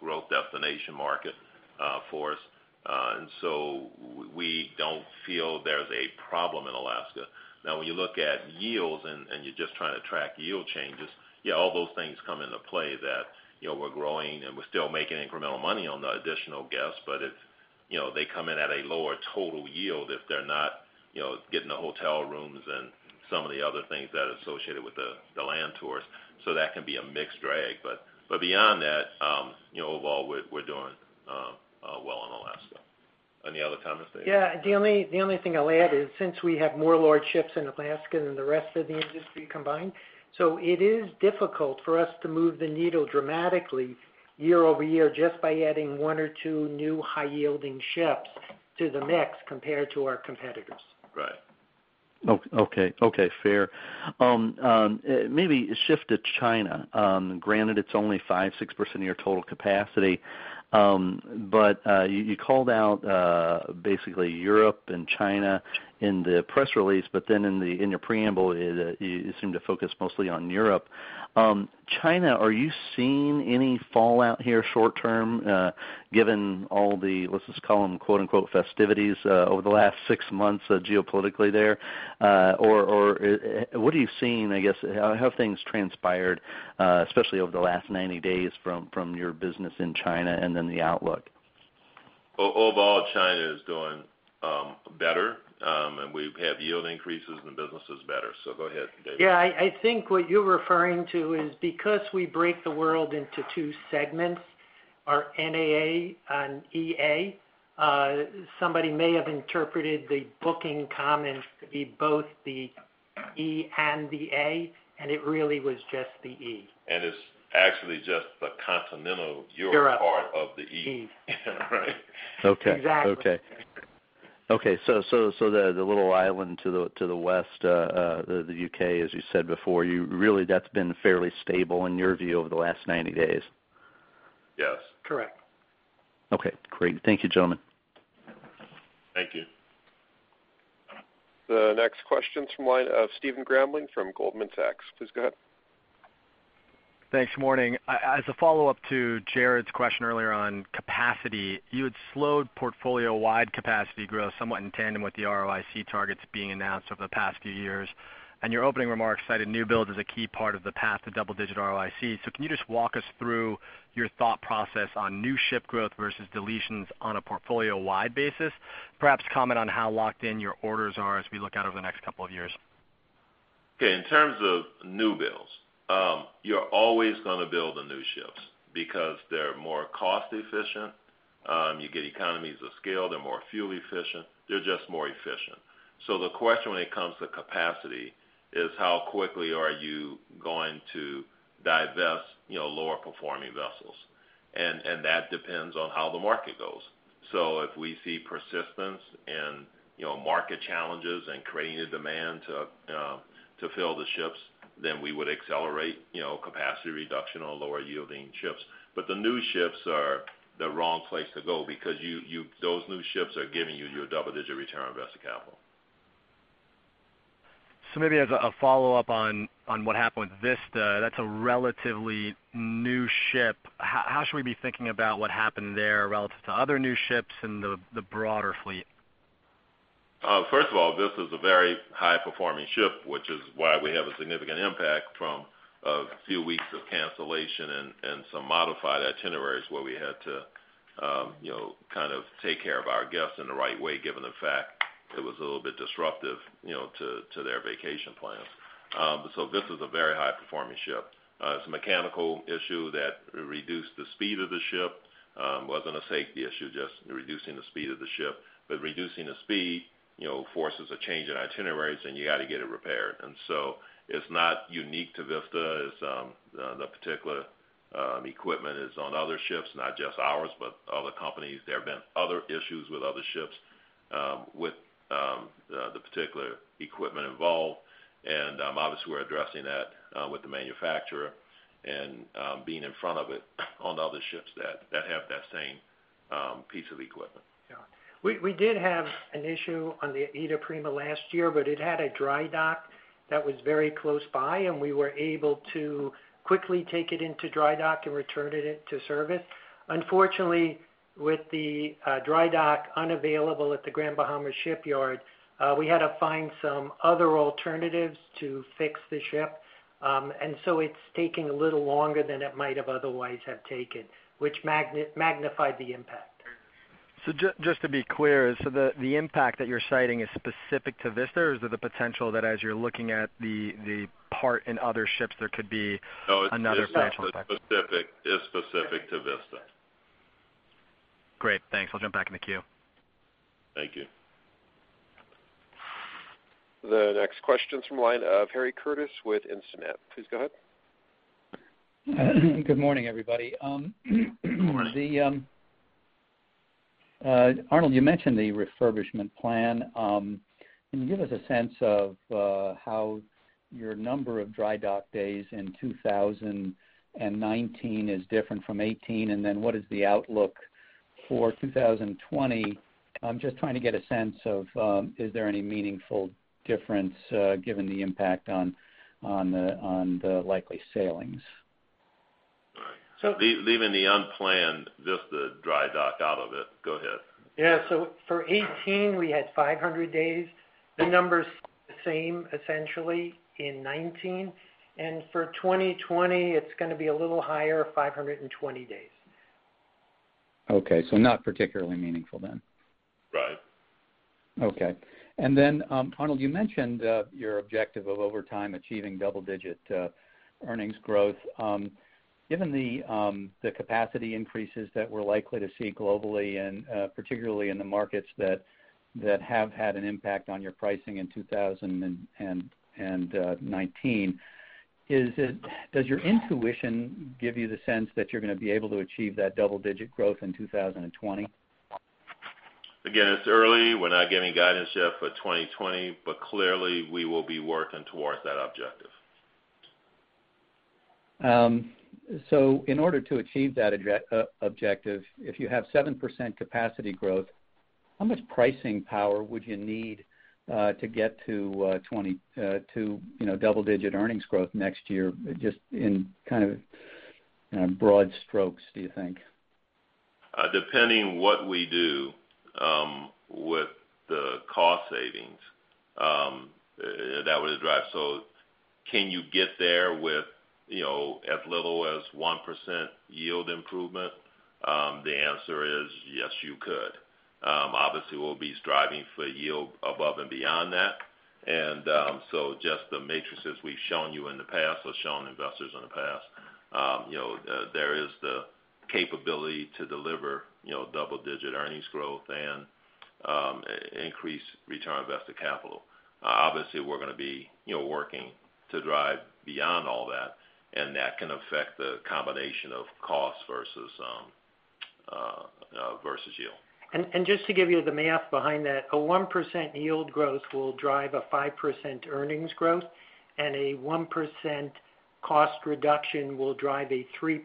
growth destination market for us. We don't feel there's a problem in Alaska. When you look at yields and you're just trying to track yield changes, all those things come into play that we're growing and we're still making incremental money on the additional guests. They come in at a lower total yield if they're not getting the hotel rooms and some of the other things that are associated with the land tours. That can be a mixed drag. Beyond that, overall, we're doing well in Alaska. Any other comments, Dave? The only thing I'll add is, since we have more large ships in Alaska than the rest of the industry combined, it is difficult for us to move the needle dramatically year-over-year just by adding one or two new high-yielding ships to the mix compared to our competitors. Right. Okay. Fair. Maybe shift to China. Granted, it's only 5%-6% of your total capacity. You called out basically Europe and China in the press release, then in your preamble, you seem to focus mostly on Europe. China, are you seeing any fallout here short term given all the, let's just call them "festivities" over the last six months geopolitically there? What are you seeing, I guess, how have things transpired, especially over the last 90 days, from your business in China and then the outlook? Overall, China is doing better, and we've had yield increases, and business is better. Go ahead, David. Yeah. I think what you're referring to is because we break the world into two segments, our NAA and EA, somebody may have interpreted the booking comments to be both the E and the A, and it really was just the E. It's actually just the continental Europe- Europe part of the E. Right. Okay. Exactly. Okay. The little island to the west, the U.K., as you said before, really that's been fairly stable in your view over the last 90 days. Yes. Correct. Okay, great. Thank you, gentlemen. Thank you. The next question's from the line of Stephen Grambling from Goldman Sachs. Please go ahead. Thanks. Morning. As a follow-up to Jared's question earlier on capacity, you had slowed portfolio-wide capacity growth somewhat in tandem with the ROIC targets being announced over the past few years. Your opening remarks cited new builds as a key part of the path to double-digit ROIC. Can you just walk us through your thought process on new ship growth versus deletions on a portfolio-wide basis? Perhaps comment on how locked in your orders are as we look out over the next couple of years. Okay. In terms of new builds, you're always going to build the new ships because they're more cost efficient. You get economies of scale. They're more fuel efficient. They're just more efficient. The question when it comes to capacity is how quickly are you going to divest lower performing vessels? That depends on how the market goes. If we see persistence and market challenges and creating the demand to fill the ships, then we would accelerate capacity reduction on lower yielding ships. The new ships are the wrong place to go because those new ships are giving you your double-digit return on invested capital. Maybe as a follow-up on what happened with Vista, that's a relatively new ship. How should we be thinking about what happened there relative to other new ships and the broader fleet? First of all, this is a very high-performing ship, which is why we have a significant impact from a few weeks of cancellation and some modified itineraries where we had to take care of our guests in the right way, given the fact it was a little bit disruptive to their vacation plans. This is a very high-performing ship. It's a mechanical issue that reduced the speed of the ship. It wasn't a safety issue, just reducing the speed of the ship. Reducing the speed forces a change in itineraries, and you got to get it repaired. It's not unique to Vista. The particular equipment is on other ships, not just ours, but other companies. There have been other issues with other ships with the particular equipment involved. We're addressing that with the manufacturer and being in front of it on the other ships that have that same piece of equipment. We did have an issue on the AIDAprima last year, it had a dry dock that was very close by, and we were able to quickly take it into dry dock and return it to service. Unfortunately, with the dry dock unavailable at the Grand Bahama Shipyard, we had to find some other alternatives to fix the ship. It's taking a little longer than it might have otherwise have taken, which magnified the impact. Just to be clear, the impact that you're citing is specific to Vista, or is it the potential that as you're looking at the part in other ships, there could be another financial impact? It's specific to Vista. Great. Thanks. I'll jump back in the queue. Thank you. The next question's from the line of Harry Curtis with Instinet. Please go ahead. Good morning, everybody. Good morning. Arnold, you mentioned the refurbishment plan. Can you give us a sense of how your number of dry dock days in 2019 is different from 2018, what is the outlook for 2020? I'm just trying to get a sense of, is there any meaningful difference given the impact on the likely sailings? Right. So- Leaving the unplanned, just the dry dock out of it. Go ahead. Yeah. For 2018, we had 500 days. The number's the same essentially in 2019, for 2020, it's going to be a little higher, 520 days. Okay. Not particularly meaningful then. Right. Arnold, you mentioned your objective of over time achieving double-digit earnings growth. Given the capacity increases that we're likely to see globally and particularly in the markets that have had an impact on your pricing in 2019, does your intuition give you the sense that you're going to be able to achieve that double-digit growth in 2020? Again, it's early. We're not giving guidance yet for 2020, but clearly, we will be working towards that objective. In order to achieve that objective, if you have 7% capacity growth, how much pricing power would you need to get to double-digit earnings growth next year? Just in kind of broad strokes, do you think? Depending what we do with the cost savings, that would drive. Can you get there with as little as 1% yield improvement? The answer is yes, you could. Obviously, we'll be striving for yield above and beyond that. Just the matrices we've shown you in the past or shown investors in the past, there is the capability to deliver double-digit earnings growth and increase return on invested capital. Obviously, we're going to be working to drive beyond all that, and that can affect the combination of cost versus yield. Just to give you the math behind that, a 1% yield growth will drive a 5% earnings growth, a 1% cost reduction will drive a 3%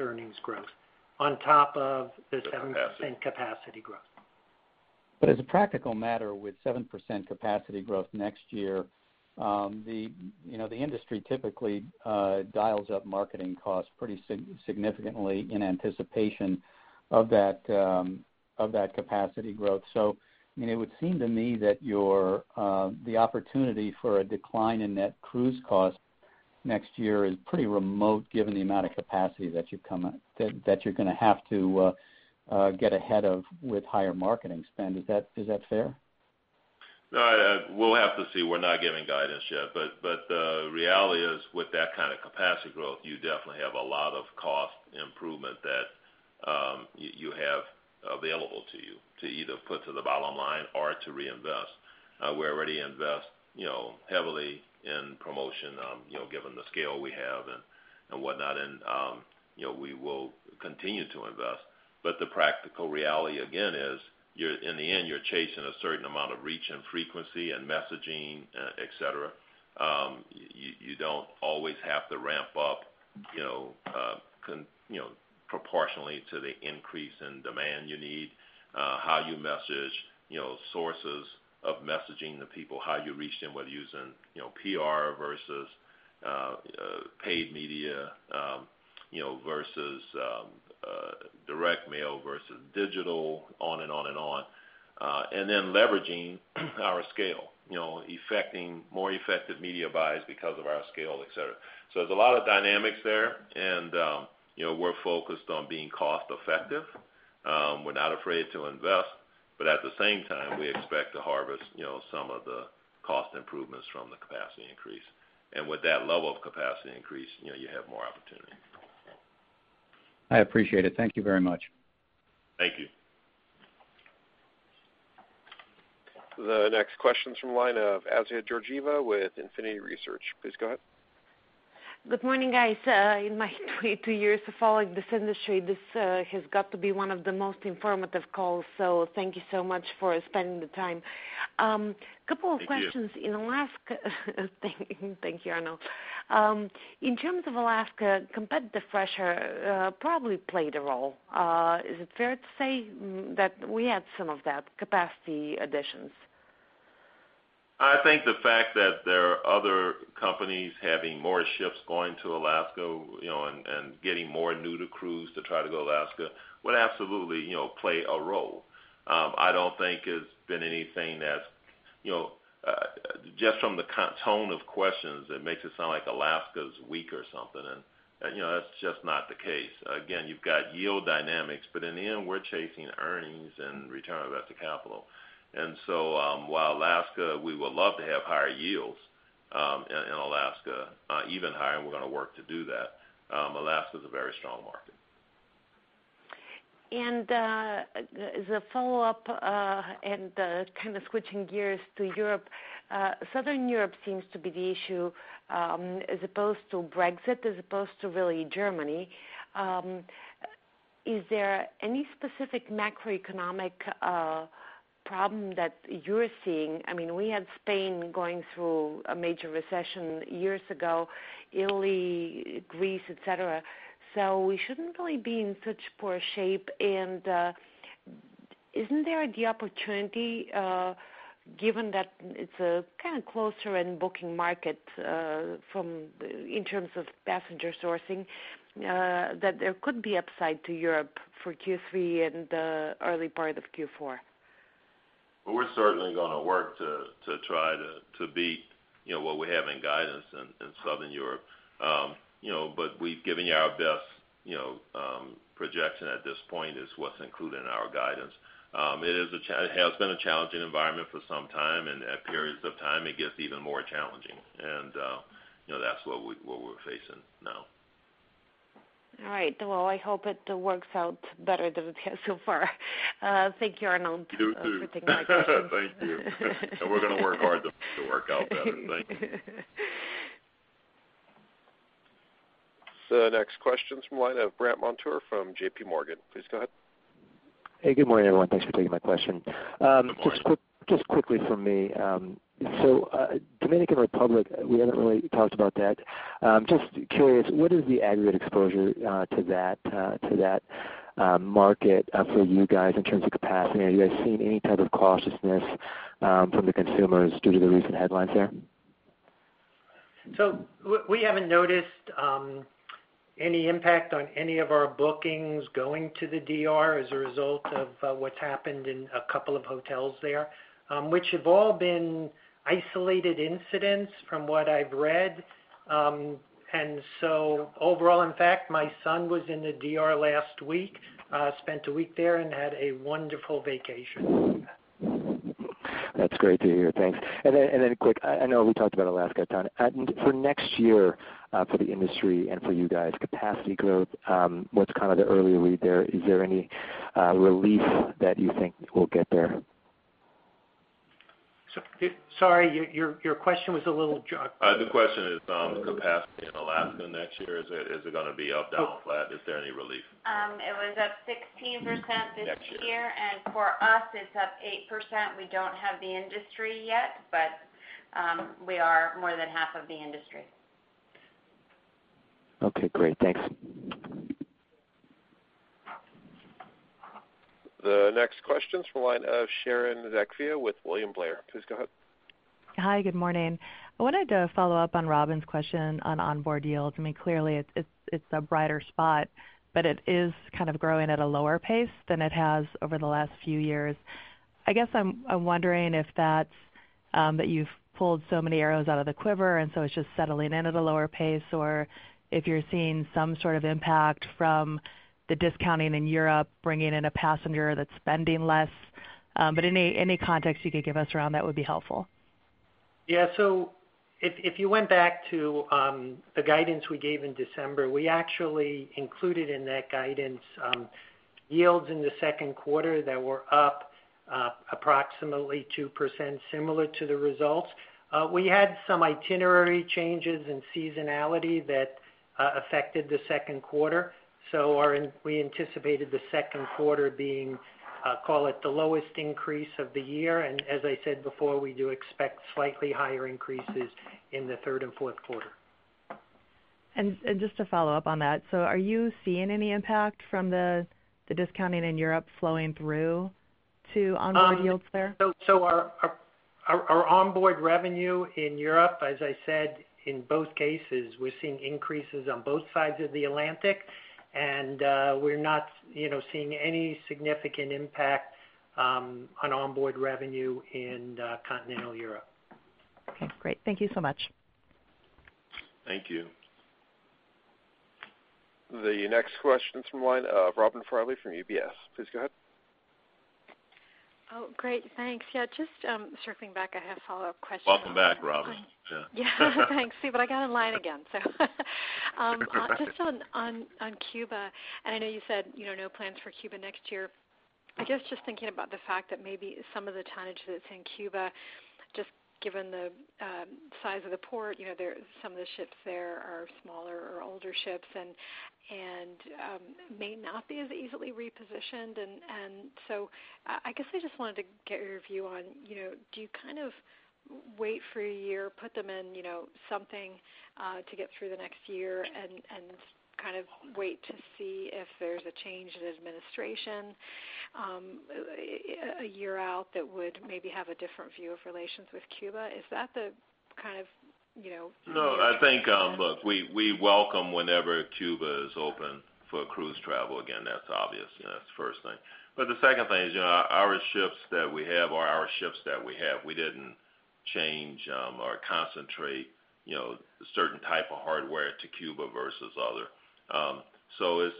earnings growth on top of the- The capacity 7% capacity growth. As a practical matter, with 7% capacity growth next year, the industry typically dials up marketing costs pretty significantly in anticipation of that capacity growth. It would seem to me that the opportunity for a decline in net cruise cost next year is pretty remote given the amount of capacity that you're going to have to get ahead of with higher marketing spend. Is that fair? No, we'll have to see. We're not giving guidance yet. The reality is, with that kind of capacity growth, you definitely have a lot of cost improvement that you have available to you to either put to the bottom line or to reinvest. We already invest heavily in promotion, given the scale we have and whatnot, and we will continue to invest. The practical reality again is, in the end, you're chasing a certain amount of reach and frequency and messaging, et cetera. You don't always have to ramp up proportionally to the increase in demand you need, how you message, sources of messaging to people, how you reach them, whether using PR versus paid media versus direct mail versus digital, on and on. Then leveraging our scale, effecting more effective media buys because of our scale, et cetera. There's a lot of dynamics there and we're focused on being cost-effective. We're not afraid to invest, but at the same time, we expect to harvest some of the cost improvements from the capacity increase. With that level of capacity increase, you have more opportunity. I appreciate it. Thank you very much. Thank you. The next question's from the line of Assia Georgieva with Infinity Research. Please go ahead. Good morning, guys. In my 22 years of following this industry, this has got to be one of the most informative calls, so thank you so much for spending the time. Thank you. Couple of questions. Thank you, Arnold. In terms of Alaska, competitive pressure probably played a role. Is it fair to say that we had some of that capacity additions? I think the fact that there are other companies having more ships going to Alaska, and getting more new to cruise to try to go to Alaska would absolutely play a role. I don't think it's been anything. Just from the tone of questions, it makes it sound like Alaska's weak or something, and that's just not the case. Again, you've got yield dynamics, but in the end, we're chasing earnings and return on invested capital. While Alaska, we would love to have higher yields in Alaska, even higher, and we're going to work to do that. Alaska is a very strong market. As a follow-up, and kind of switching gears to Europe. Southern Europe seems to be the issue, as opposed to Brexit, as opposed to really Germany. Is there any specific macroeconomic problem that you're seeing? We had Spain going through a major recession years ago, Italy, Greece, et cetera, so we shouldn't really be in such poor shape. Isn't there the opportunity, given that it's a kind of closer-in booking market in terms of passenger sourcing, that there could be upside to Europe for Q3 and the early part of Q4? Well, we're certainly going to work to try to beat what we have in guidance in Southern Europe. We've given you our best projection at this point is what's included in our guidance. It has been a challenging environment for some time, and at periods of time, it gets even more challenging. That's what we're facing now. All right. Well, I hope it works out better than it has so far. Thank you, Arnold- You too. for taking my question. Thank you. We're going to work hard to make it work out better. Thank you. The next question's from the line of Brandt Montour from JPMorgan. Please go ahead. Hey, good morning, everyone. Thanks for taking my question. Good morning. Just quickly from me, Dominican Republic, we haven't really talked about that. Just curious, what is the aggregate exposure to that market for you guys in terms of capacity? Are you guys seeing any type of cautiousness from the consumers due to the recent headlines there? We haven't noticed any impact on any of our bookings going to the DR as a result of what's happened in a couple of hotels there, which have all been isolated incidents from what I've read. Overall, in fact, my son was in the DR last week, spent a week there, and had a wonderful vacation. That's great to hear. Thanks. Quick, I know we talked about Alaska a ton. For next year, for the industry and for you guys, capacity growth, what's the early read there? Is there any relief that you think we'll get there? Sorry, your question was a little garbled. The question is on capacity in Alaska next year. Is it going to be up, down, flat? Is there any relief? It was up 16% this year. Next year. For us, it's up 8%. We don't have the industry yet, but we are more than half of the industry. Okay, great. Thanks. The next question's from the line of Sharon Zackfia with William Blair. Please go ahead. Hi. Good morning. I wanted to follow up on Robin's question on onboard yields. Clearly it's a brighter spot, but it is kind of growing at a lower pace than it has over the last few years. I guess I'm wondering if that's that you've pulled so many arrows out of the quiver and it's just settling in at a lower pace, or if you're seeing some sort of impact from the discounting in Europe, bringing in a passenger that's spending less. Any context you could give us around that would be helpful. Yeah. If you went back to the guidance we gave in December, we actually included in that guidance yields in the second quarter that were up approximately 2%, similar to the results. We had some itinerary changes and seasonality that affected the second quarter, we anticipated the second quarter being, call it, the lowest increase of the year. As I said before, we do expect slightly higher increases in the third and fourth quarter. Just to follow up on that, are you seeing any impact from the discounting in Europe flowing through to onboard yields there? Our onboard revenue in Europe, as I said, in both cases, we're seeing increases on both sides of the Atlantic, and we're not seeing any significant impact on onboard revenue in continental Europe. Okay, great. Thank you so much. Thank you. The next question's from the line of Robin Farley from UBS. Please go ahead. Oh, great. Thanks. Yeah, just circling back, I have a follow-up question. Welcome back, Robin. Yeah. Yeah. Thanks. See, I got in line again. Just on Cuba, I know you said no plans for Cuba next year. I guess just thinking about the fact that maybe some of the tonnage that's in Cuba, just given the size of the port, some of the ships there are smaller or older ships and may not be as easily repositioned. I guess I just wanted to get your view on, do you kind of wait for a year, put them in something to get through the next year, and kind of wait to see if there's a change in administration a year out that would maybe have a different view of relations with Cuba? Is that the kind of? No. Look, we welcome whenever Cuba is open for cruise travel again. That's obvious. That's the first thing. The second thing is, our ships that we have are our ships that we have. We didn't change or concentrate a certain type of hardware to Cuba versus other.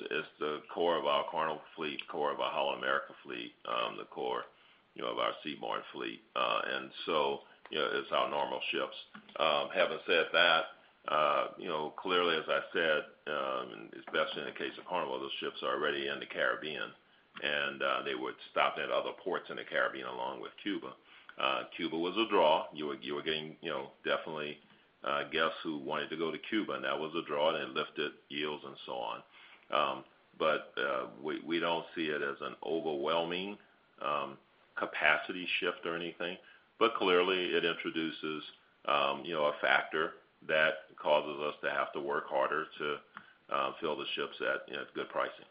It's the core of our Carnival fleet, core of our Holland America fleet, the core of our Seabourn fleet. It's our normal ships. Having said that, clearly as I said, especially in the case of Carnival, those ships are already in the Caribbean. And they would stop at other ports in the Caribbean along with Cuba. Cuba was a draw. You were getting definitely guests who wanted to go to Cuba, and that was a draw, and it lifted yields and so on. We don't see it as an overwhelming capacity shift or anything. Clearly it introduces a factor that causes us to have to work harder to fill the ships at good pricing.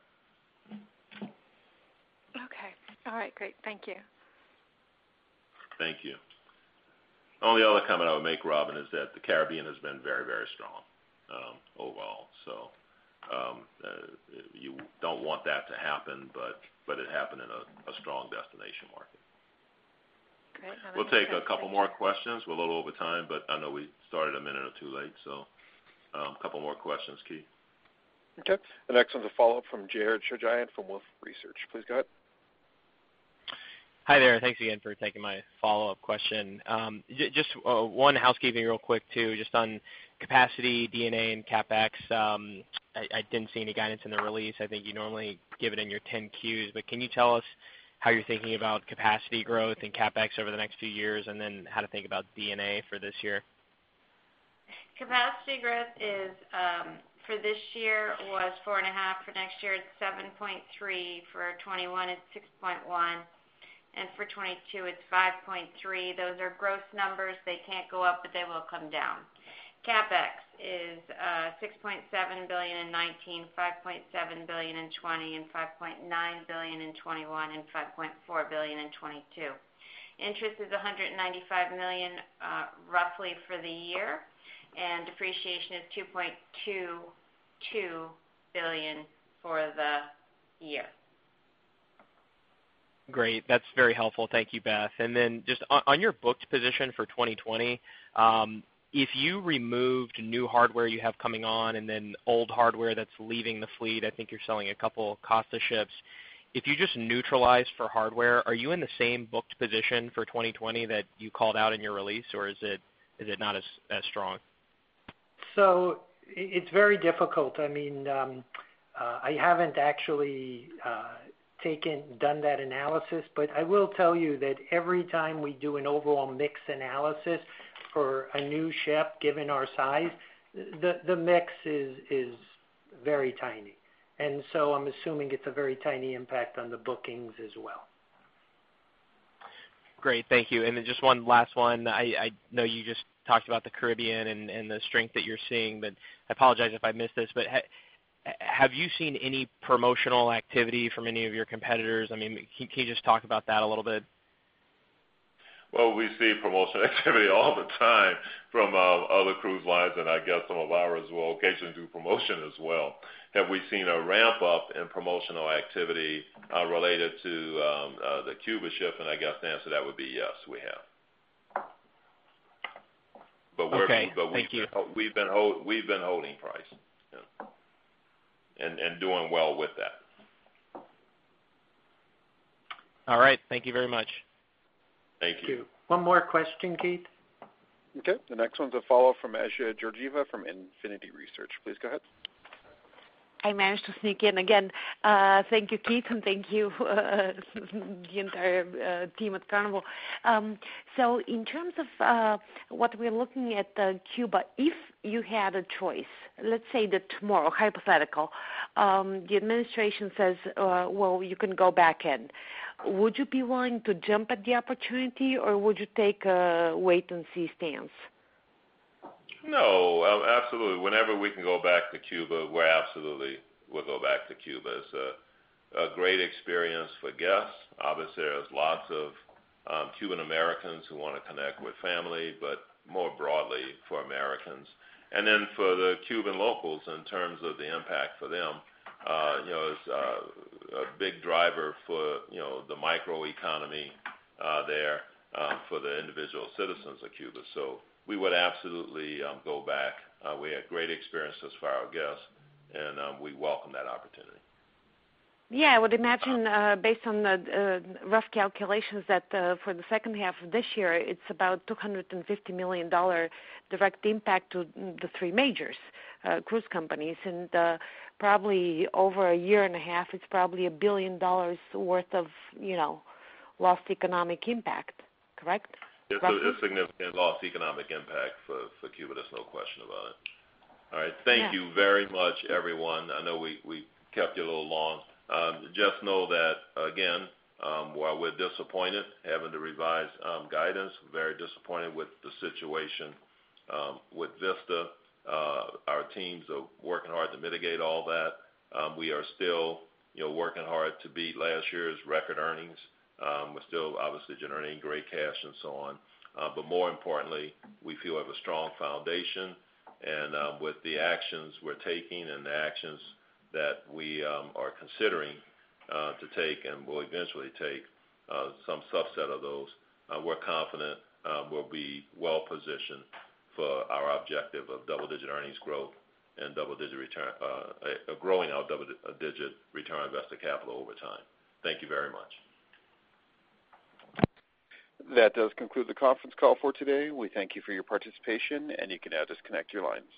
Okay. All right, great. Thank you. Thank you. Only other comment I would make, Robin, is that the Caribbean has been very strong overall. You don't want that to happen, but it happened in a strong destination market. Great. We'll take a couple more questions. We're a little over time, but I know we started a minute or two late, so couple more questions, Keith. Okay. The next one's a follow-up from Jared Shojaian from Wolfe Research. Please go ahead. Hi there. Thanks again for taking my follow-up question. Just one housekeeping real quick too, just on capacity, D&A, and CapEx. I didn't see any guidance in the release. I think you normally give it in your 10-Qs, can you tell us how you're thinking about capacity growth and CapEx over the next few years, and then how to think about D&A for this year? Capacity growth for this year was 4.5%. For next year, it's 7.3%. For 2021, it's 6.1%. For 2022, it's 5.3%. Those are gross numbers. They can't go up, but they will come down. CapEx is $6.7 billion in 2019, $5.7 billion in 2020, $5.9 billion in 2021, and $5.4 billion in 2022. Interest is $195 million, roughly, for the year. Depreciation is $2.22 billion for the year. Great. That's very helpful. Thank you, Beth. Then just on your booked position for 2020, if you removed new hardware you have coming on and then old hardware that's leaving the fleet, I think you're selling a couple Costa ships. If you just neutralize for hardware, are you in the same booked position for 2020 that you called out in your release, or is it not as strong? It's very difficult. I haven't actually done that analysis, but I will tell you that every time we do an overall mix analysis for a new ship, given our size, the mix is very tiny. I'm assuming it's a very tiny impact on the bookings as well. Great. Thank you. Just one last one. I know you just talked about the Caribbean and the strength that you're seeing, I apologize if I missed this, but have you seen any promotional activity from any of your competitors? Can you just talk about that a little bit? Well, we see promotional activity all the time from other cruise lines, and I guess some of ours will occasionally do promotion as well. Have we seen a ramp-up in promotional activity related to the Cuba ship? I guess the answer to that would be yes, we have. Okay. Thank you. We've been holding price, yeah, and doing well with that. All right. Thank you very much. Thank you. One more question, Keith? Okay. The next one's a follow from Assia Georgieva from Infinity Research. Please go ahead. I managed to sneak in again. Thank you, Keith, and thank you the entire team at Carnival. In terms of what we're looking at Cuba, if you had a choice, let's say that tomorrow, hypothetical, the administration says, "Well, you can go back in." Would you be willing to jump at the opportunity, or would you take a wait-and-see stance? No. Absolutely. Whenever we can go back to Cuba, we absolutely will go back to Cuba. It's a great experience for guests. Obviously, there's lots of Cuban Americans who want to connect with family, but more broadly for Americans. Then for the Cuban locals, in terms of the impact for them, it's a big driver for the micro economy there, for the individual citizens of Cuba. We would absolutely go back. We had great experiences for our guests, and we welcome that opportunity. Yeah. I would imagine, based on the rough calculations, that for the second half of this year, it's about $250 million direct impact to the three majors cruise companies. Probably over a year and a half, it's probably $1 billion worth of lost economic impact. Correct, roughly? There's a significant lost economic impact for Cuba. There's no question about it. All right. Thank you very much, everyone. I know we kept you a little long. Just know that, again, while we're disappointed having to revise guidance, very disappointed with the situation with Vista, our teams are working hard to mitigate all that. We are still working hard to beat last year's record earnings. We're still obviously generating great cash and so on. More importantly, we feel we have a strong foundation, and with the actions we're taking and the actions that we are considering to take and will eventually take, some subset of those, we're confident we'll be well-positioned for our objective of double-digit earnings growth and a growing out double-digit return on invested capital over time. Thank you very much. That does conclude the conference call for today. We thank you for your participation, and you can now disconnect your lines.